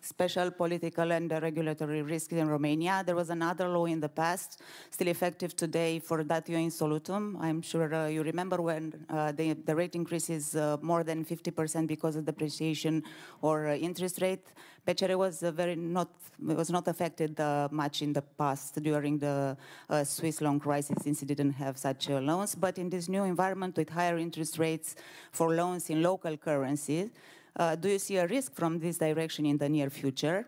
special political and regulatory risk in Romania, there was another law in the past, still effective today, for datio in solutum. I'm sure you remember when the rate increases more than 50% because of depreciation or interest rate. BCR was not affected much in the past during the Swiss loan crisis since it didn't have such loans. In this new environment with higher interest rates for loans in local currency, do you see a risk from this direction in the near future?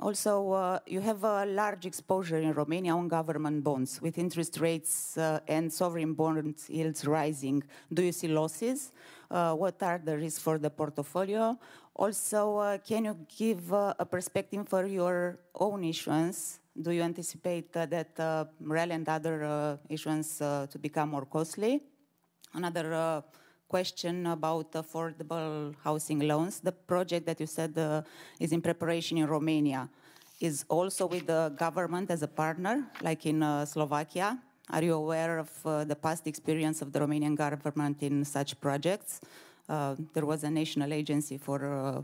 Also, you have a large exposure in Romania on government bonds. With interest rates and sovereign bond yields rising, do you see losses? What are the risks for the portfolio? Also, can you give a perspective for your own issuance? Do you anticipate that MREL and other issuance to become more costly? Another question about affordable housing loans. The project that you said is in preparation in Romania is also with the government as a partner, like in Slovakia. Are you aware of the past experience of the Romanian government in such projects? There was a national agency for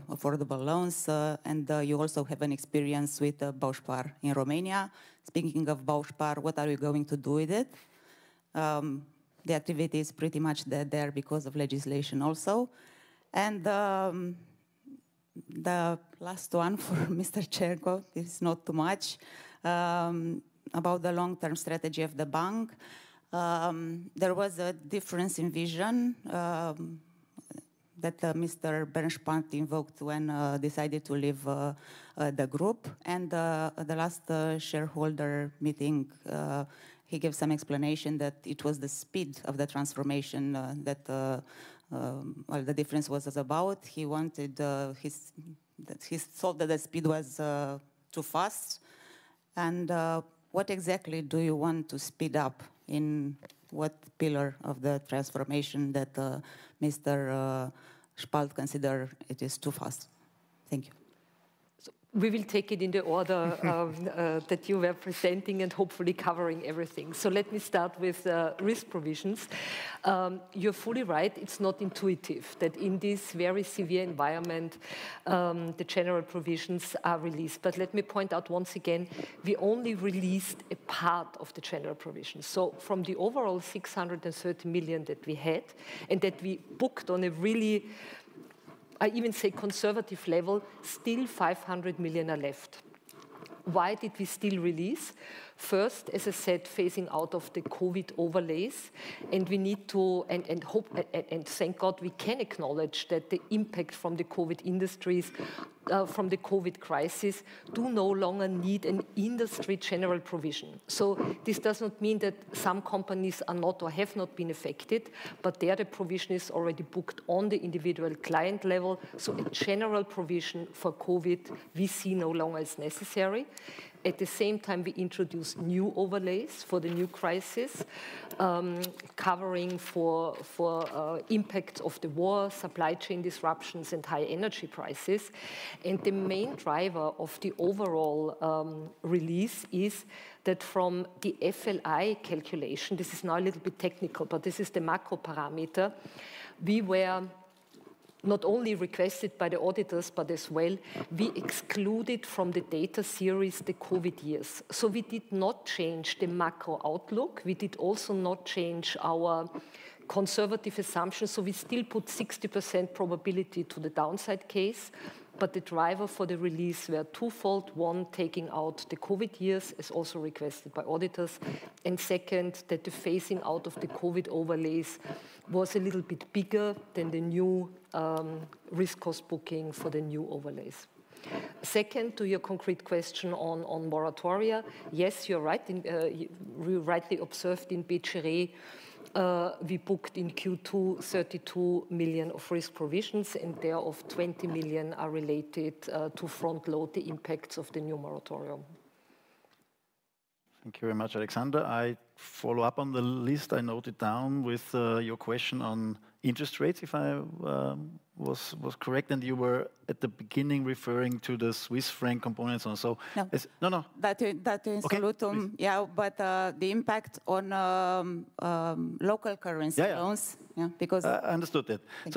affordable loans, and you also have an experience with Bauspar in Romania. Speaking of Bauspar, what are you going to do with it? The activity is pretty much dead there because of legislation also. The last one for Mr. Cernko, it's not too much about the long-term strategy of the bank. There was a difference in vision that Mr. Bernd Spalt invoked when decided to leave the group and at the last shareholder meeting he gave some explanation that it was the speed of the transformation that or the difference was about. That he thought that the speed was too fast. What exactly do you want to speed up, in what pillar of the transformation that Mr. Spalt consider it is too fast? Thank you. We will take it in the order of that you were presenting and hopefully covering everything. Let me start with risk provisions. You're fully right, it's not intuitive that in this very severe environment, the general provisions are released. Let me point out once again, we only released a part of the general provisions. From the overall 630 million that we had and that we booked on a really, I even say conservative level, still 500 million are left. Why did we still release? First, as I said, phasing out of the COVID overlays, and we need to and hope and thank God we can acknowledge that the impact from the COVID industries, from the COVID crisis do no longer need an industry general provision. This does not mean that some companies are not or have not been affected, but there the provision is already booked on the individual client level. A general provision for COVID, we see no longer as necessary. At the same time, we introduce new overlays for the new crisis, covering the impact of the war, supply chain disruptions, and high energy prices. The main driver of the overall release is that from the FLI calculation. This is now a little bit technical, but this is the macro parameter. We were not only requested by the auditors, but as well we excluded from the data series the COVID years. We did not change the macro outlook. We did also not change our conservative assumptions, so we still put 60% probability to the downside case. The driver for the release were twofold, one, taking out the COVID years, as also requested by auditors, and second, that the phasing out of the COVID overlays was a little bit bigger than the new risk cost booking for the new overlays. Second, to your concrete question on moratoria. Yes, you're right, you rightly observed in B3, we booked in Q2 32 million of risk provisions, and thereof 20 million are related to front-load the impacts of the new moratorium. Thank you very much, Alexandra. I follow up on the list I noted down with your question on interest rates, if I was correct, and you were at the beginning referring to the Swiss franc components and so. No. No, no. Datio in solutum. Okay. The impact on local currency loans. Yeah, yeah. Yeah, because. Understood that. Thank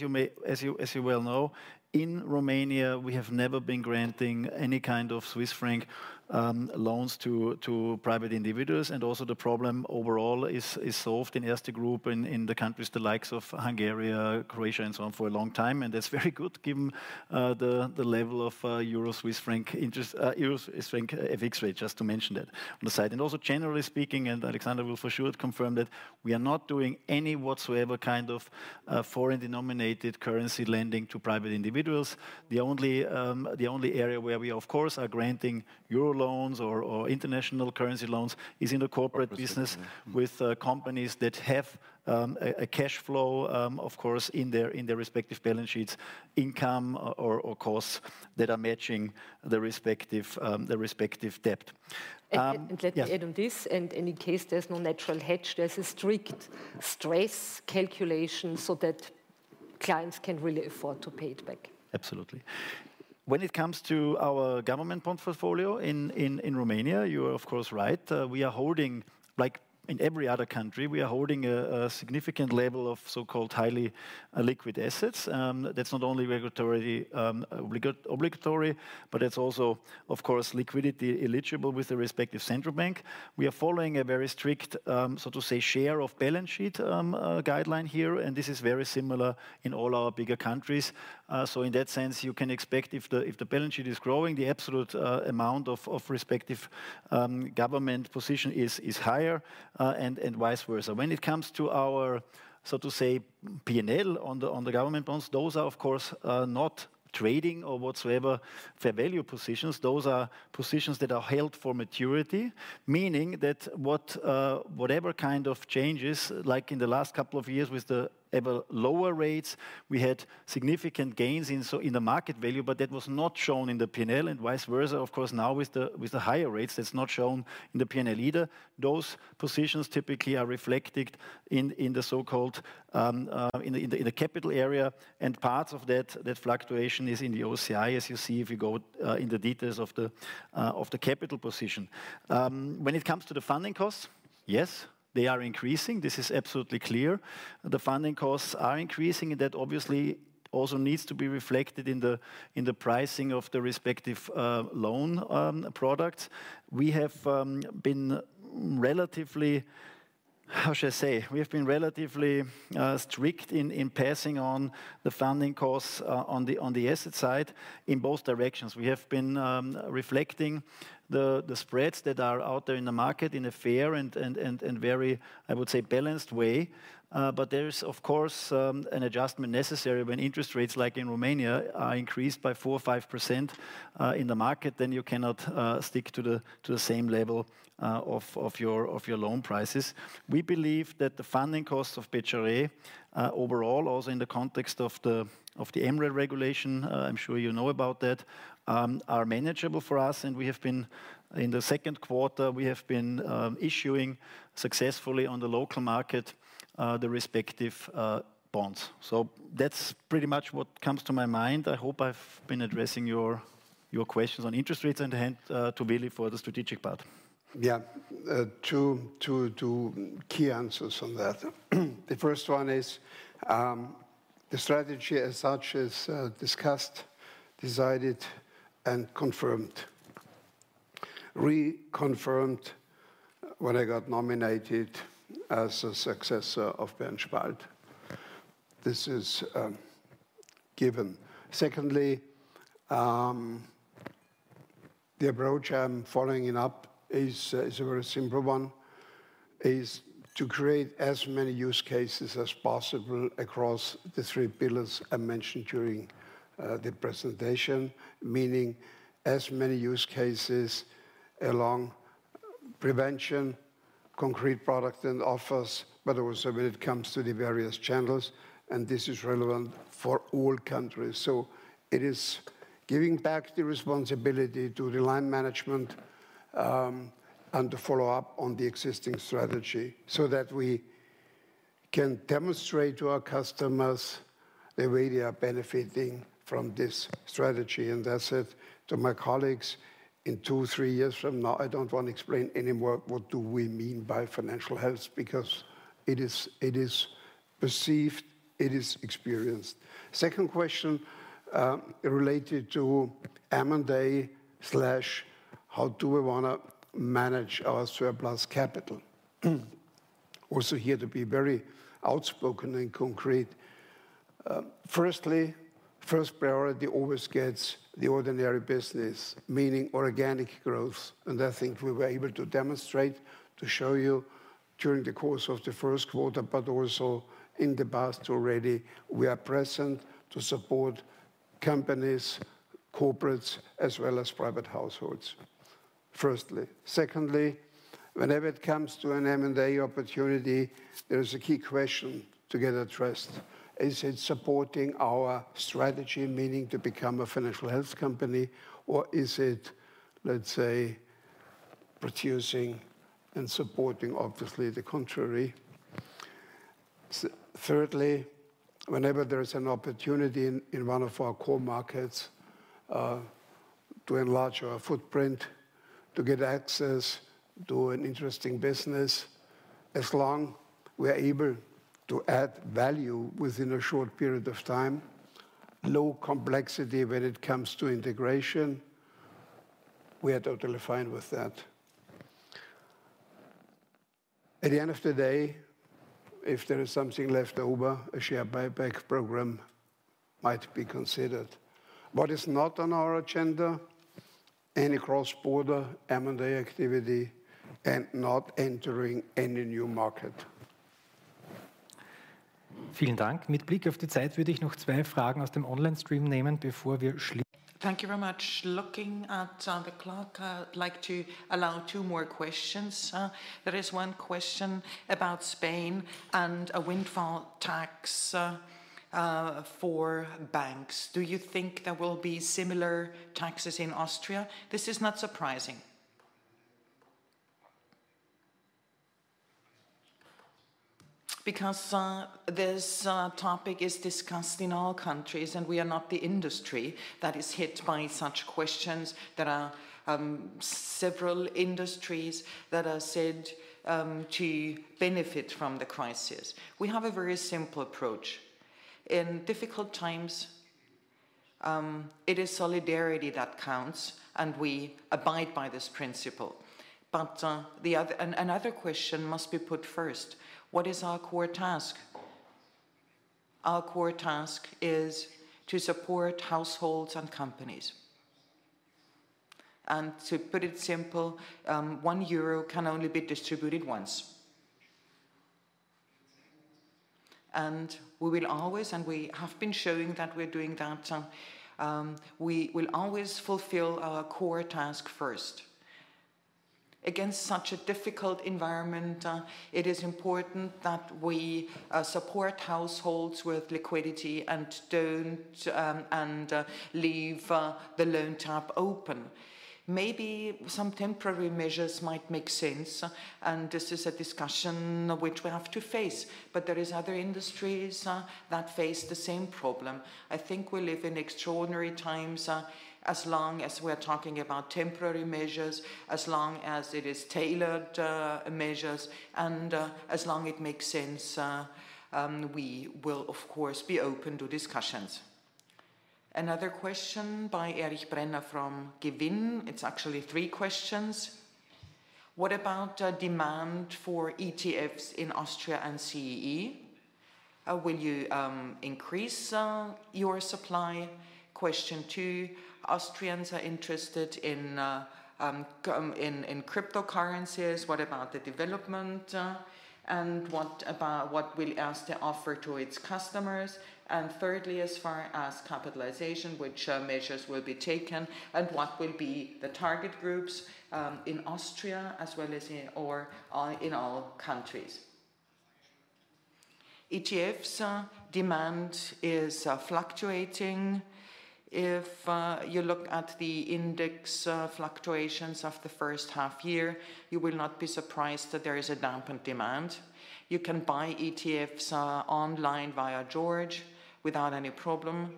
you. As you well know, in Romania, we have never been granting any kind of Swiss franc loans to private individuals. Also the problem overall is solved in Erste Group in the countries the likes of Hungary, Croatia and so on for a long time. That's very good given the level of Euro-Swiss franc interest, Euro-Swiss franc FX rate, just to mention that on the side. Generally speaking, Alexandra will for sure confirm that we are not doing any whatsoever kind of foreign denominated currency lending to private individuals. The only area where we of course are granting euro loans or international currency loans is in the corporate business with companies that have a cash flow of course in their respective balance sheets, income or costs that are matching the respective debt. Can I- Yeah add on this? In case there's no natural hedge, there's a strict stress calculation so that clients can really afford to pay it back. Absolutely. When it comes to our government bond portfolio in Romania, you are of course right. We are holding, like in every other country, a significant level of so-called highly liquid assets. That's not only regulatory obligatory, but it's also of course liquidity eligible with the respective central bank. We are following a very strict, so to say, share of balance sheet guideline here, and this is very similar in all our bigger countries. So in that sense, you can expect if the balance sheet is growing, the absolute amount of respective government position is higher, and vice versa. When it comes to our, so to say, P&L on the government bonds, those are of course not trading or whatsoever fair value positions, those are positions that are held for maturity, meaning that whatever kind of changes, like in the last couple of years with the even lower rates, we had significant gains in, so in the market value, but that was not shown in the P&L and vice versa. Of course, now with the higher rates, that's not shown in the P&L either. Those positions typically are reflected in the so-called capital area, and parts of that fluctuation is in the OCI, as you see if you go in the details of the capital position. When it comes to the funding costs, yes, they are increasing. This is absolutely clear. The funding costs are increasing, and that obviously also needs to be reflected in the pricing of the respective loan products. We have been relatively strict in passing on the funding costs on the asset side in both directions. We have been reflecting the spreads that are out there in the market in a fair and very, I would say, balanced way. There is of course an adjustment necessary when interest rates like in Romania are increased by 4% or 5% in the market, then you cannot stick to the same level of your loan prices. We believe that the funding costs of BCR overall also in the context of the MREL regulation I'm sure you know about that are manageable for us. We have been in the second quarter issuing successfully on the local market the respective bonds. That's pretty much what comes to my mind. I hope I've been addressing your questions on interest rates and hand over to Willy for the strategic part. Yeah. Two key answers on that. The first one is, the strategy as such is discussed, decided, and confirmed. Reconfirmed when I got nominated as a successor of Bernd Spalt. This is given. Secondly, the approach I'm following it up is a very simple one, is to create as many use cases as possible across the three pillars I mentioned during the presentation, meaning as many use cases along prevention, concrete product, and offers, but also when it comes to the various channels, and this is relevant for all countries. It is giving back the responsibility to the line management, and to follow up on the existing strategy so that we can demonstrate to our customers the way they are benefiting from this strategy. I said to my colleagues, in 2-3 years from now, I don't want to explain anymore what do we mean by financial health because it is, it is perceived, it is experienced. Second question, related to M&A / how do we wanna manage our surplus capital? Also here to be very outspoken and concrete. Firstly, first priority always gets the ordinary business, meaning organic growth. I think we were able to demonstrate, to show you during the course of the first quarter, but also in the past already, we are present to support companies, corporates, as well as private households, firstly. Secondly, whenever it comes to an M&A opportunity, there is a key question to get addressed. Is it supporting our strategy, meaning to become a financial health company, or is it, let's say, producing and supporting, obviously, the contrary? Thirdly, whenever there's an opportunity in one of our core markets, to enlarge our footprint, to get access to an interesting business, as long we are able to add value within a short period of time, low complexity when it comes to integration, we are totally fine with that. At the end of the day, if there is something left over, a share buyback program might be considered. What is not on our agenda, any cross-border M&A activity and not entering any new market. Thank you very much. Looking at the clock, I would like to allow 2 more questions. There is one question about Spain and a windfall tax for banks. Do you think there will be similar taxes in Austria? This is not surprising. This topic is discussed in all countries, and we are not the industry that is hit by such questions. There are several industries that are said to benefit from the crisis. We have a very simple approach. In difficult times, it is solidarity that counts, and we abide by this principle. Another question must be put first. What is our core task? Our core task is to support households and companies. To put it simply, 1 euro can only be distributed once. We will always, and we have been showing that we're doing that, we will always fulfill our core task first. Against such a difficult environment, it is important that we support households with liquidity and don't leave the loan tap open. Maybe some temporary measures might make sense, and this is a discussion which we have to face, but there is other industries that face the same problem. I think we live in extraordinary times. As long as we're talking about temporary measures, as long as it is tailored measures, and as long it makes sense, we will of course be open to discussions. Another question by Erich Brenner from Gewinn. It's actually three questions. What about demand for ETFs in Austria and CEE? Will you increase your supply? Question two, Austrians are interested in cryptocurrencies. What about the development, and what will Erste offer to its customers? And thirdly, as far as capitalization, which measures will be taken, and what will be the target groups in Austria as well as in all countries? ETFs' demand is fluctuating. If you look at the index fluctuations of the first half year, you will not be surprised that there is a dampened demand. You can buy ETFs online via George without any problem.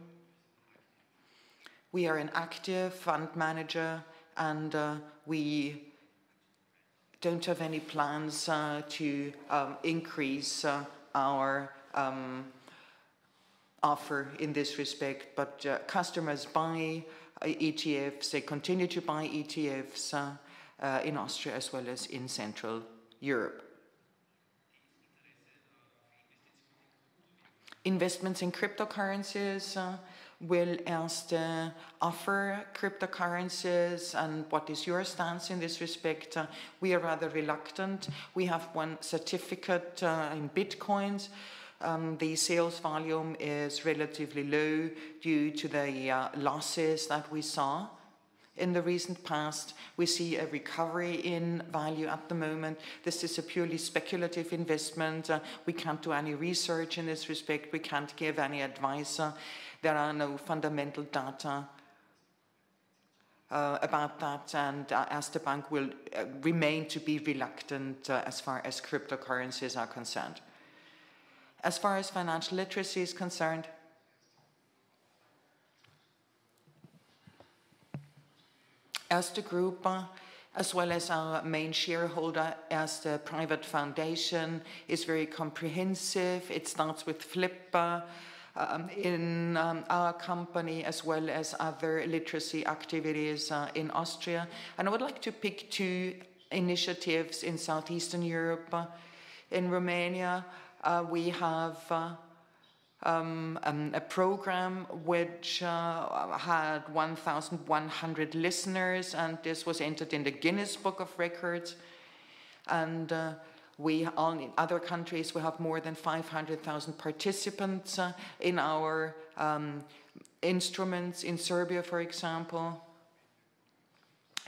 We are an active fund manager, and we don't have any plans to increase our offer in this respect. But customers buy ETFs. They continue to buy ETFs in Austria as well as in Central Europe. Investments in cryptocurrencies. Will Erste offer cryptocurrencies, and what is your stance in this respect? We are rather reluctant. We have one certificate in Bitcoins. The sales volume is relatively low due to the losses that we saw in the recent past. We see a recovery in value at the moment. This is a purely speculative investment. We can't do any research in this respect. We can't give any advice. There are no fundamental data about that, and Erste Bank will remain to be reluctant as far as cryptocurrencies are concerned. As far as financial literacy is concerned, Erste Group, as well as our main shareholder, ERSTE Foundation, is very comprehensive. It starts with FLiP in our company as well as other literacy activities in Austria. I would like to pick two initiatives in Southeastern Europe. In Romania, we have a program which had 1,100 listeners, and this was entered in the Guinness Book of Records. In other countries we have more than 500,000 participants in our instruments. In Serbia, for example,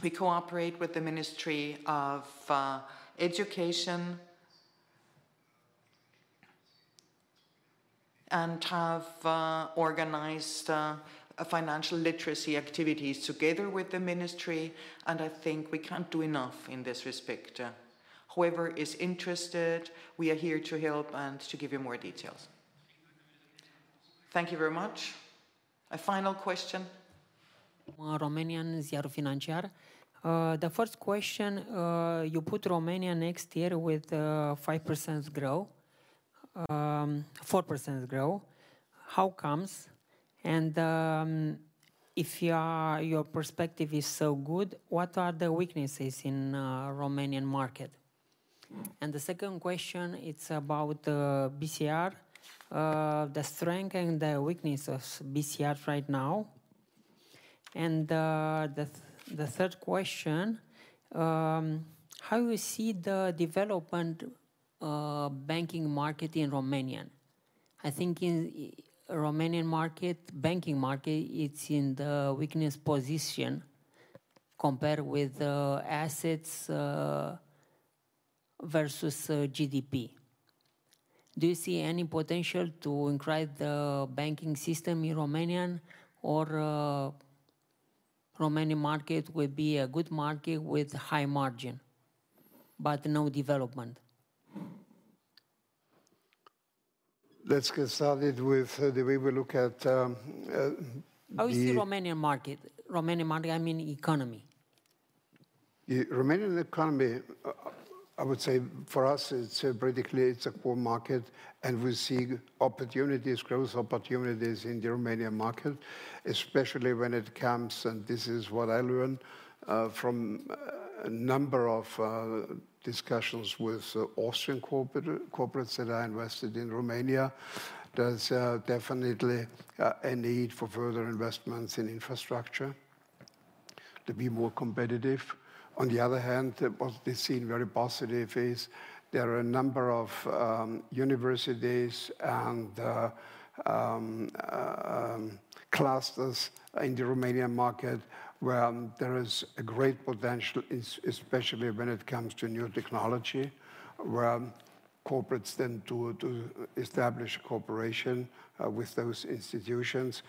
we cooperate with the Ministry of Education and have organized financial literacy activities together with the ministry, and I think we can't do enough in this respect. Whoever is interested, we are here to help and to give you more details. Thank you very much. A final question. Romanian, Ziarul Financiar. The first question, you put Romania next year with 5% growth, 4% growth. How come? If your perspective is so good, what are the weaknesses in Romanian market? The second question, it's about BCR, the strength and the weakness of BCR right now. The third question, how you see the development banking market in Romania? I think in Romanian market, banking market, it's in the weak position compared with assets versus GDP. Do you see any potential to increase the banking system in Romania or Romanian market will be a good market with high margin but no development? Let's get started with the way we look at. How do you see the Romanian market, I mean economy. The Romanian economy, I would say for us it's practically a core market, and we see opportunities, growth opportunities in the Romanian market, especially when it comes. This is what I learned from a number of discussions with Austrian corporates that are invested in Romania. There's definitely a need for further investments in infrastructure. To be more competitive. On the other hand, what they seen very positive is there are a number of universities and clusters in the Romanian market where there is a great potential especially when it comes to new technology, where corporates tend to establish cooperation with those institutions.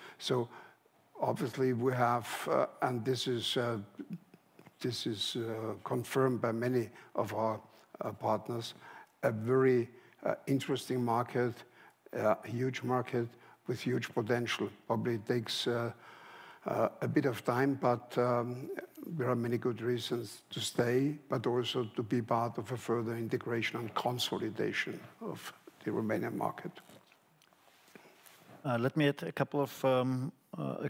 This is confirmed by many of our partners, a very interesting market, a huge market with huge potential. Probably takes a bit of time, but there are many good reasons to stay, but also to be part of a further integration and consolidation of the Romanian market. Let me add a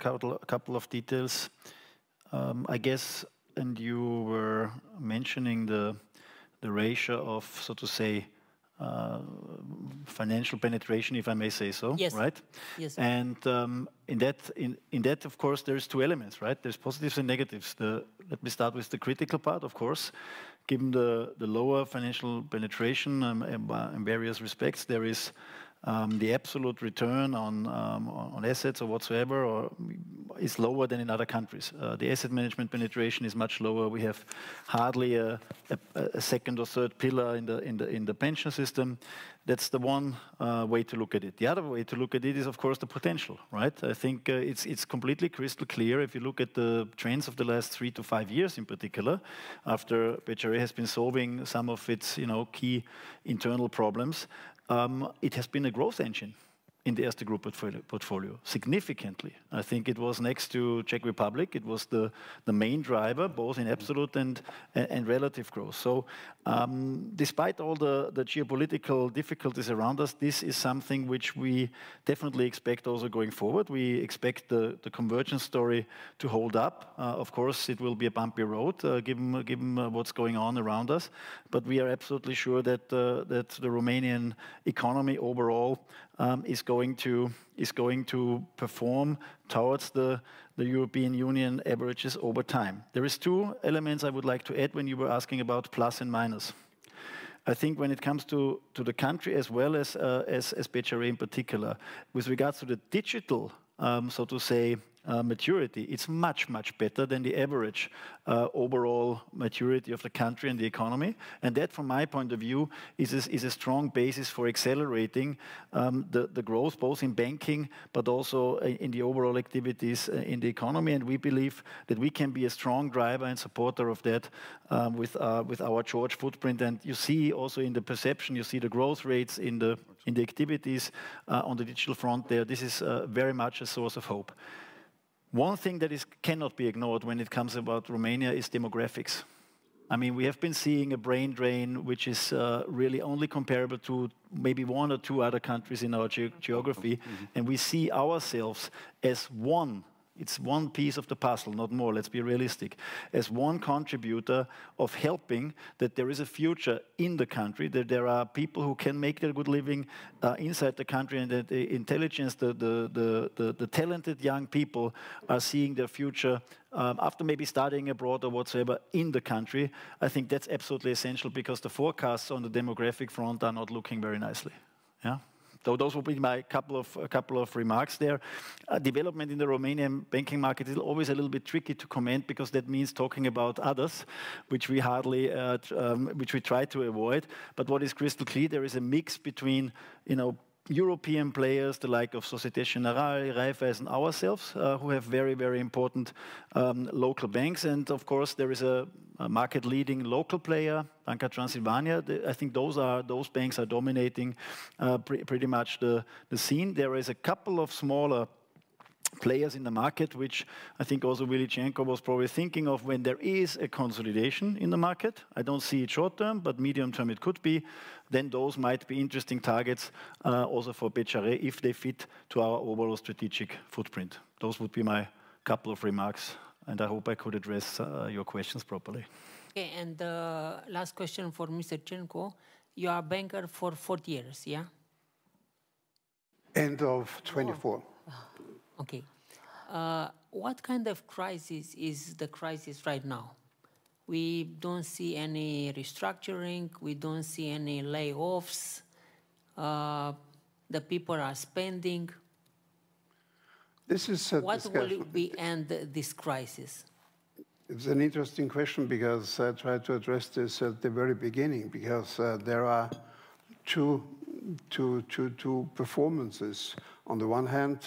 couple of details. I guess you were mentioning the ratio of, so to say, financial penetration, if I may say so. Yes. Right? Yes. In that of course there's two elements, right? There's positives and negatives. Let me start with the critical part, of course. Given the lower financial penetration in various respects, there is the absolute return on assets or whatsoever is lower than in other countries. The asset management penetration is much lower. We have hardly a second or third pillar in the pension system. That's the one way to look at it. The other way to look at it is, of course, the potential, right? I think it's completely crystal clear if you look at the trends of the last three to five years in particular, after BCR has been solving some of its, you know, key internal problems, it has been a growth engine in the Erste Group portfolio, significantly. I think it was next to Czech Republic, it was the main driver, both in absolute and relative growth. Despite all the geopolitical difficulties around us, this is something which we definitely expect also going forward. We expect the convergence story to hold up. Of course, it will be a bumpy road, given what's going on around us, but we are absolutely sure that the Romanian economy overall is going to perform towards the European Union averages over time. There is two elements I would like to add when you were asking about plus and minus. I think when it comes to the country as well as BCR in particular, with regards to the digital, so to say, maturity, it's much better than the average overall maturity of the country and the economy. That, from my point of view, is a strong basis for accelerating the growth, both in banking but also in the overall activities in the economy. We believe that we can be a strong driver and supporter of that with our George footprint. You see also in the presentation, you see the growth rates in the activities on the digital front there. This is very much a source of hope. One thing that cannot be ignored when it comes about Romania is demographics. I mean, we have been seeing a brain drain, which is really only comparable to maybe one or two other countries in our geography. We see ourselves as one. It's one piece of the puzzle, not more, let's be realistic. As one contributor of helping that there is a future in the country, that there are people who can make their good living inside the country, and that the intelligence, the talented young people are seeing their future after maybe studying abroad or whatsoever in the country. I think that's absolutely essential because the forecasts on the demographic front are not looking very nicely. Yeah. Those will be my couple of remarks there. Development in the Romanian banking market is always a little bit tricky to comment because that means talking about others, which we try to avoid. What is crystal clear, there is a mix between, you know, European players, the like of Société Générale, Raiffeisen, ourselves, who have very, very important local banks. Of course there is a market-leading local player, Banca Transilvania. I think those banks are dominating pretty much the scene. There is a couple of smaller players in the market, which I think also Willibald Cernko was probably thinking of when there is a consolidation in the market. I don't see it short term, but medium term it could be. Those might be interesting targets, also for BCR if they fit to our overall strategic footprint. Those would be my couple of remarks, and I hope I could address your questions properly. Okay. Last question for Mr. Cernko. You are a banker for 40 years, yeah? End of 2024. What kind of crisis is the crisis right now? We don't see any restructuring. We don't see any layoffs. The people are spending. This is a discussion. What will be the end of this crisis? It's an interesting question because I tried to address this at the very beginning because there are two performances. On the one hand,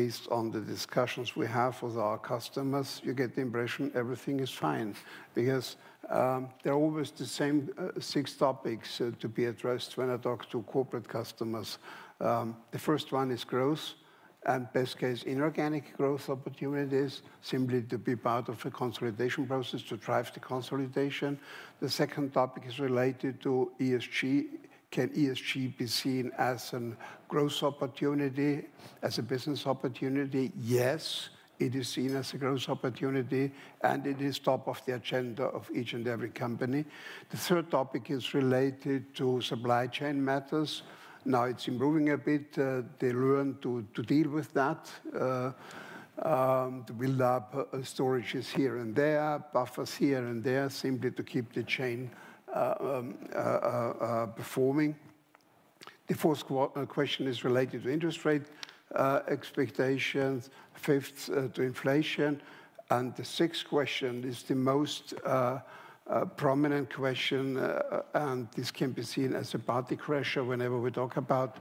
based on the discussions we have with our customers, you get the impression everything is fine because they're always the same six topics to be addressed when I talk to corporate customers. The first one is growth and best case inorganic growth opportunities, simply to be part of a consolidation process to drive the consolidation. The second topic is related to ESG. Can ESG be seen as a growth opportunity, as a business opportunity? Yes, it is seen as a growth opportunity, and it is top of the agenda of each and every company. The third topic is related to supply chain matters. Now it's improving a bit. They learn to deal with that, to build up storages here and there, buffers here and there, simply to keep the chain performing. The fourth question is related to interest rate expectations, fifth, to inflation. The sixth question is the most prominent question, and this can be seen as a party crasher whenever we talk about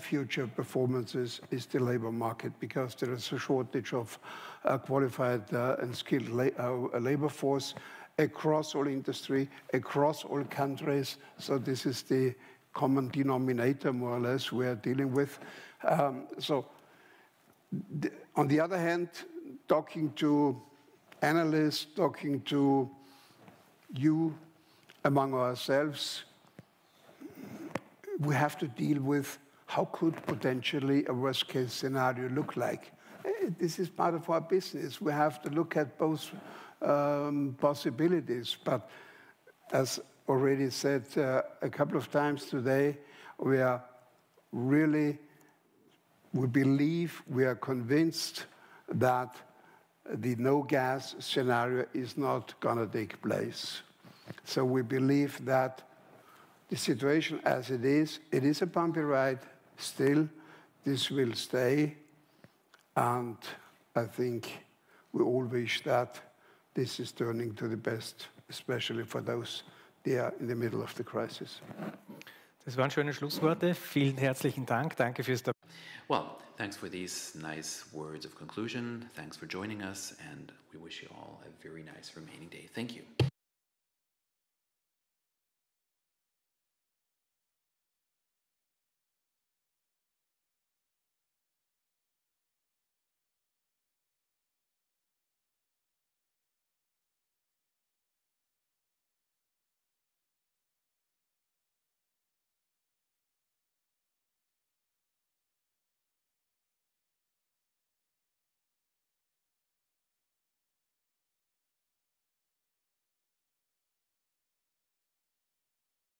future performances, is the labor market, because there is a shortage of qualified and skilled labor force across all industry, across all countries. This is the common denominator more or less we are dealing with. On the other hand, talking to analysts, talking to you among ourselves, we have to deal with how could potentially a worst case scenario look like. This is part of our business. We have to look at both possibilities. As already said a couple of times today, we believe, we are convinced that the no gas scenario is not gonna take place. We believe that the situation as it is, it is a bumpy ride still. This will stay, and I think we all wish that this is turning to the best, especially for those there in the middle of the crisis. Well, thanks for these nice words of conclusion. Thanks for joining us, and we wish you all a very nice remaining day. Thank you.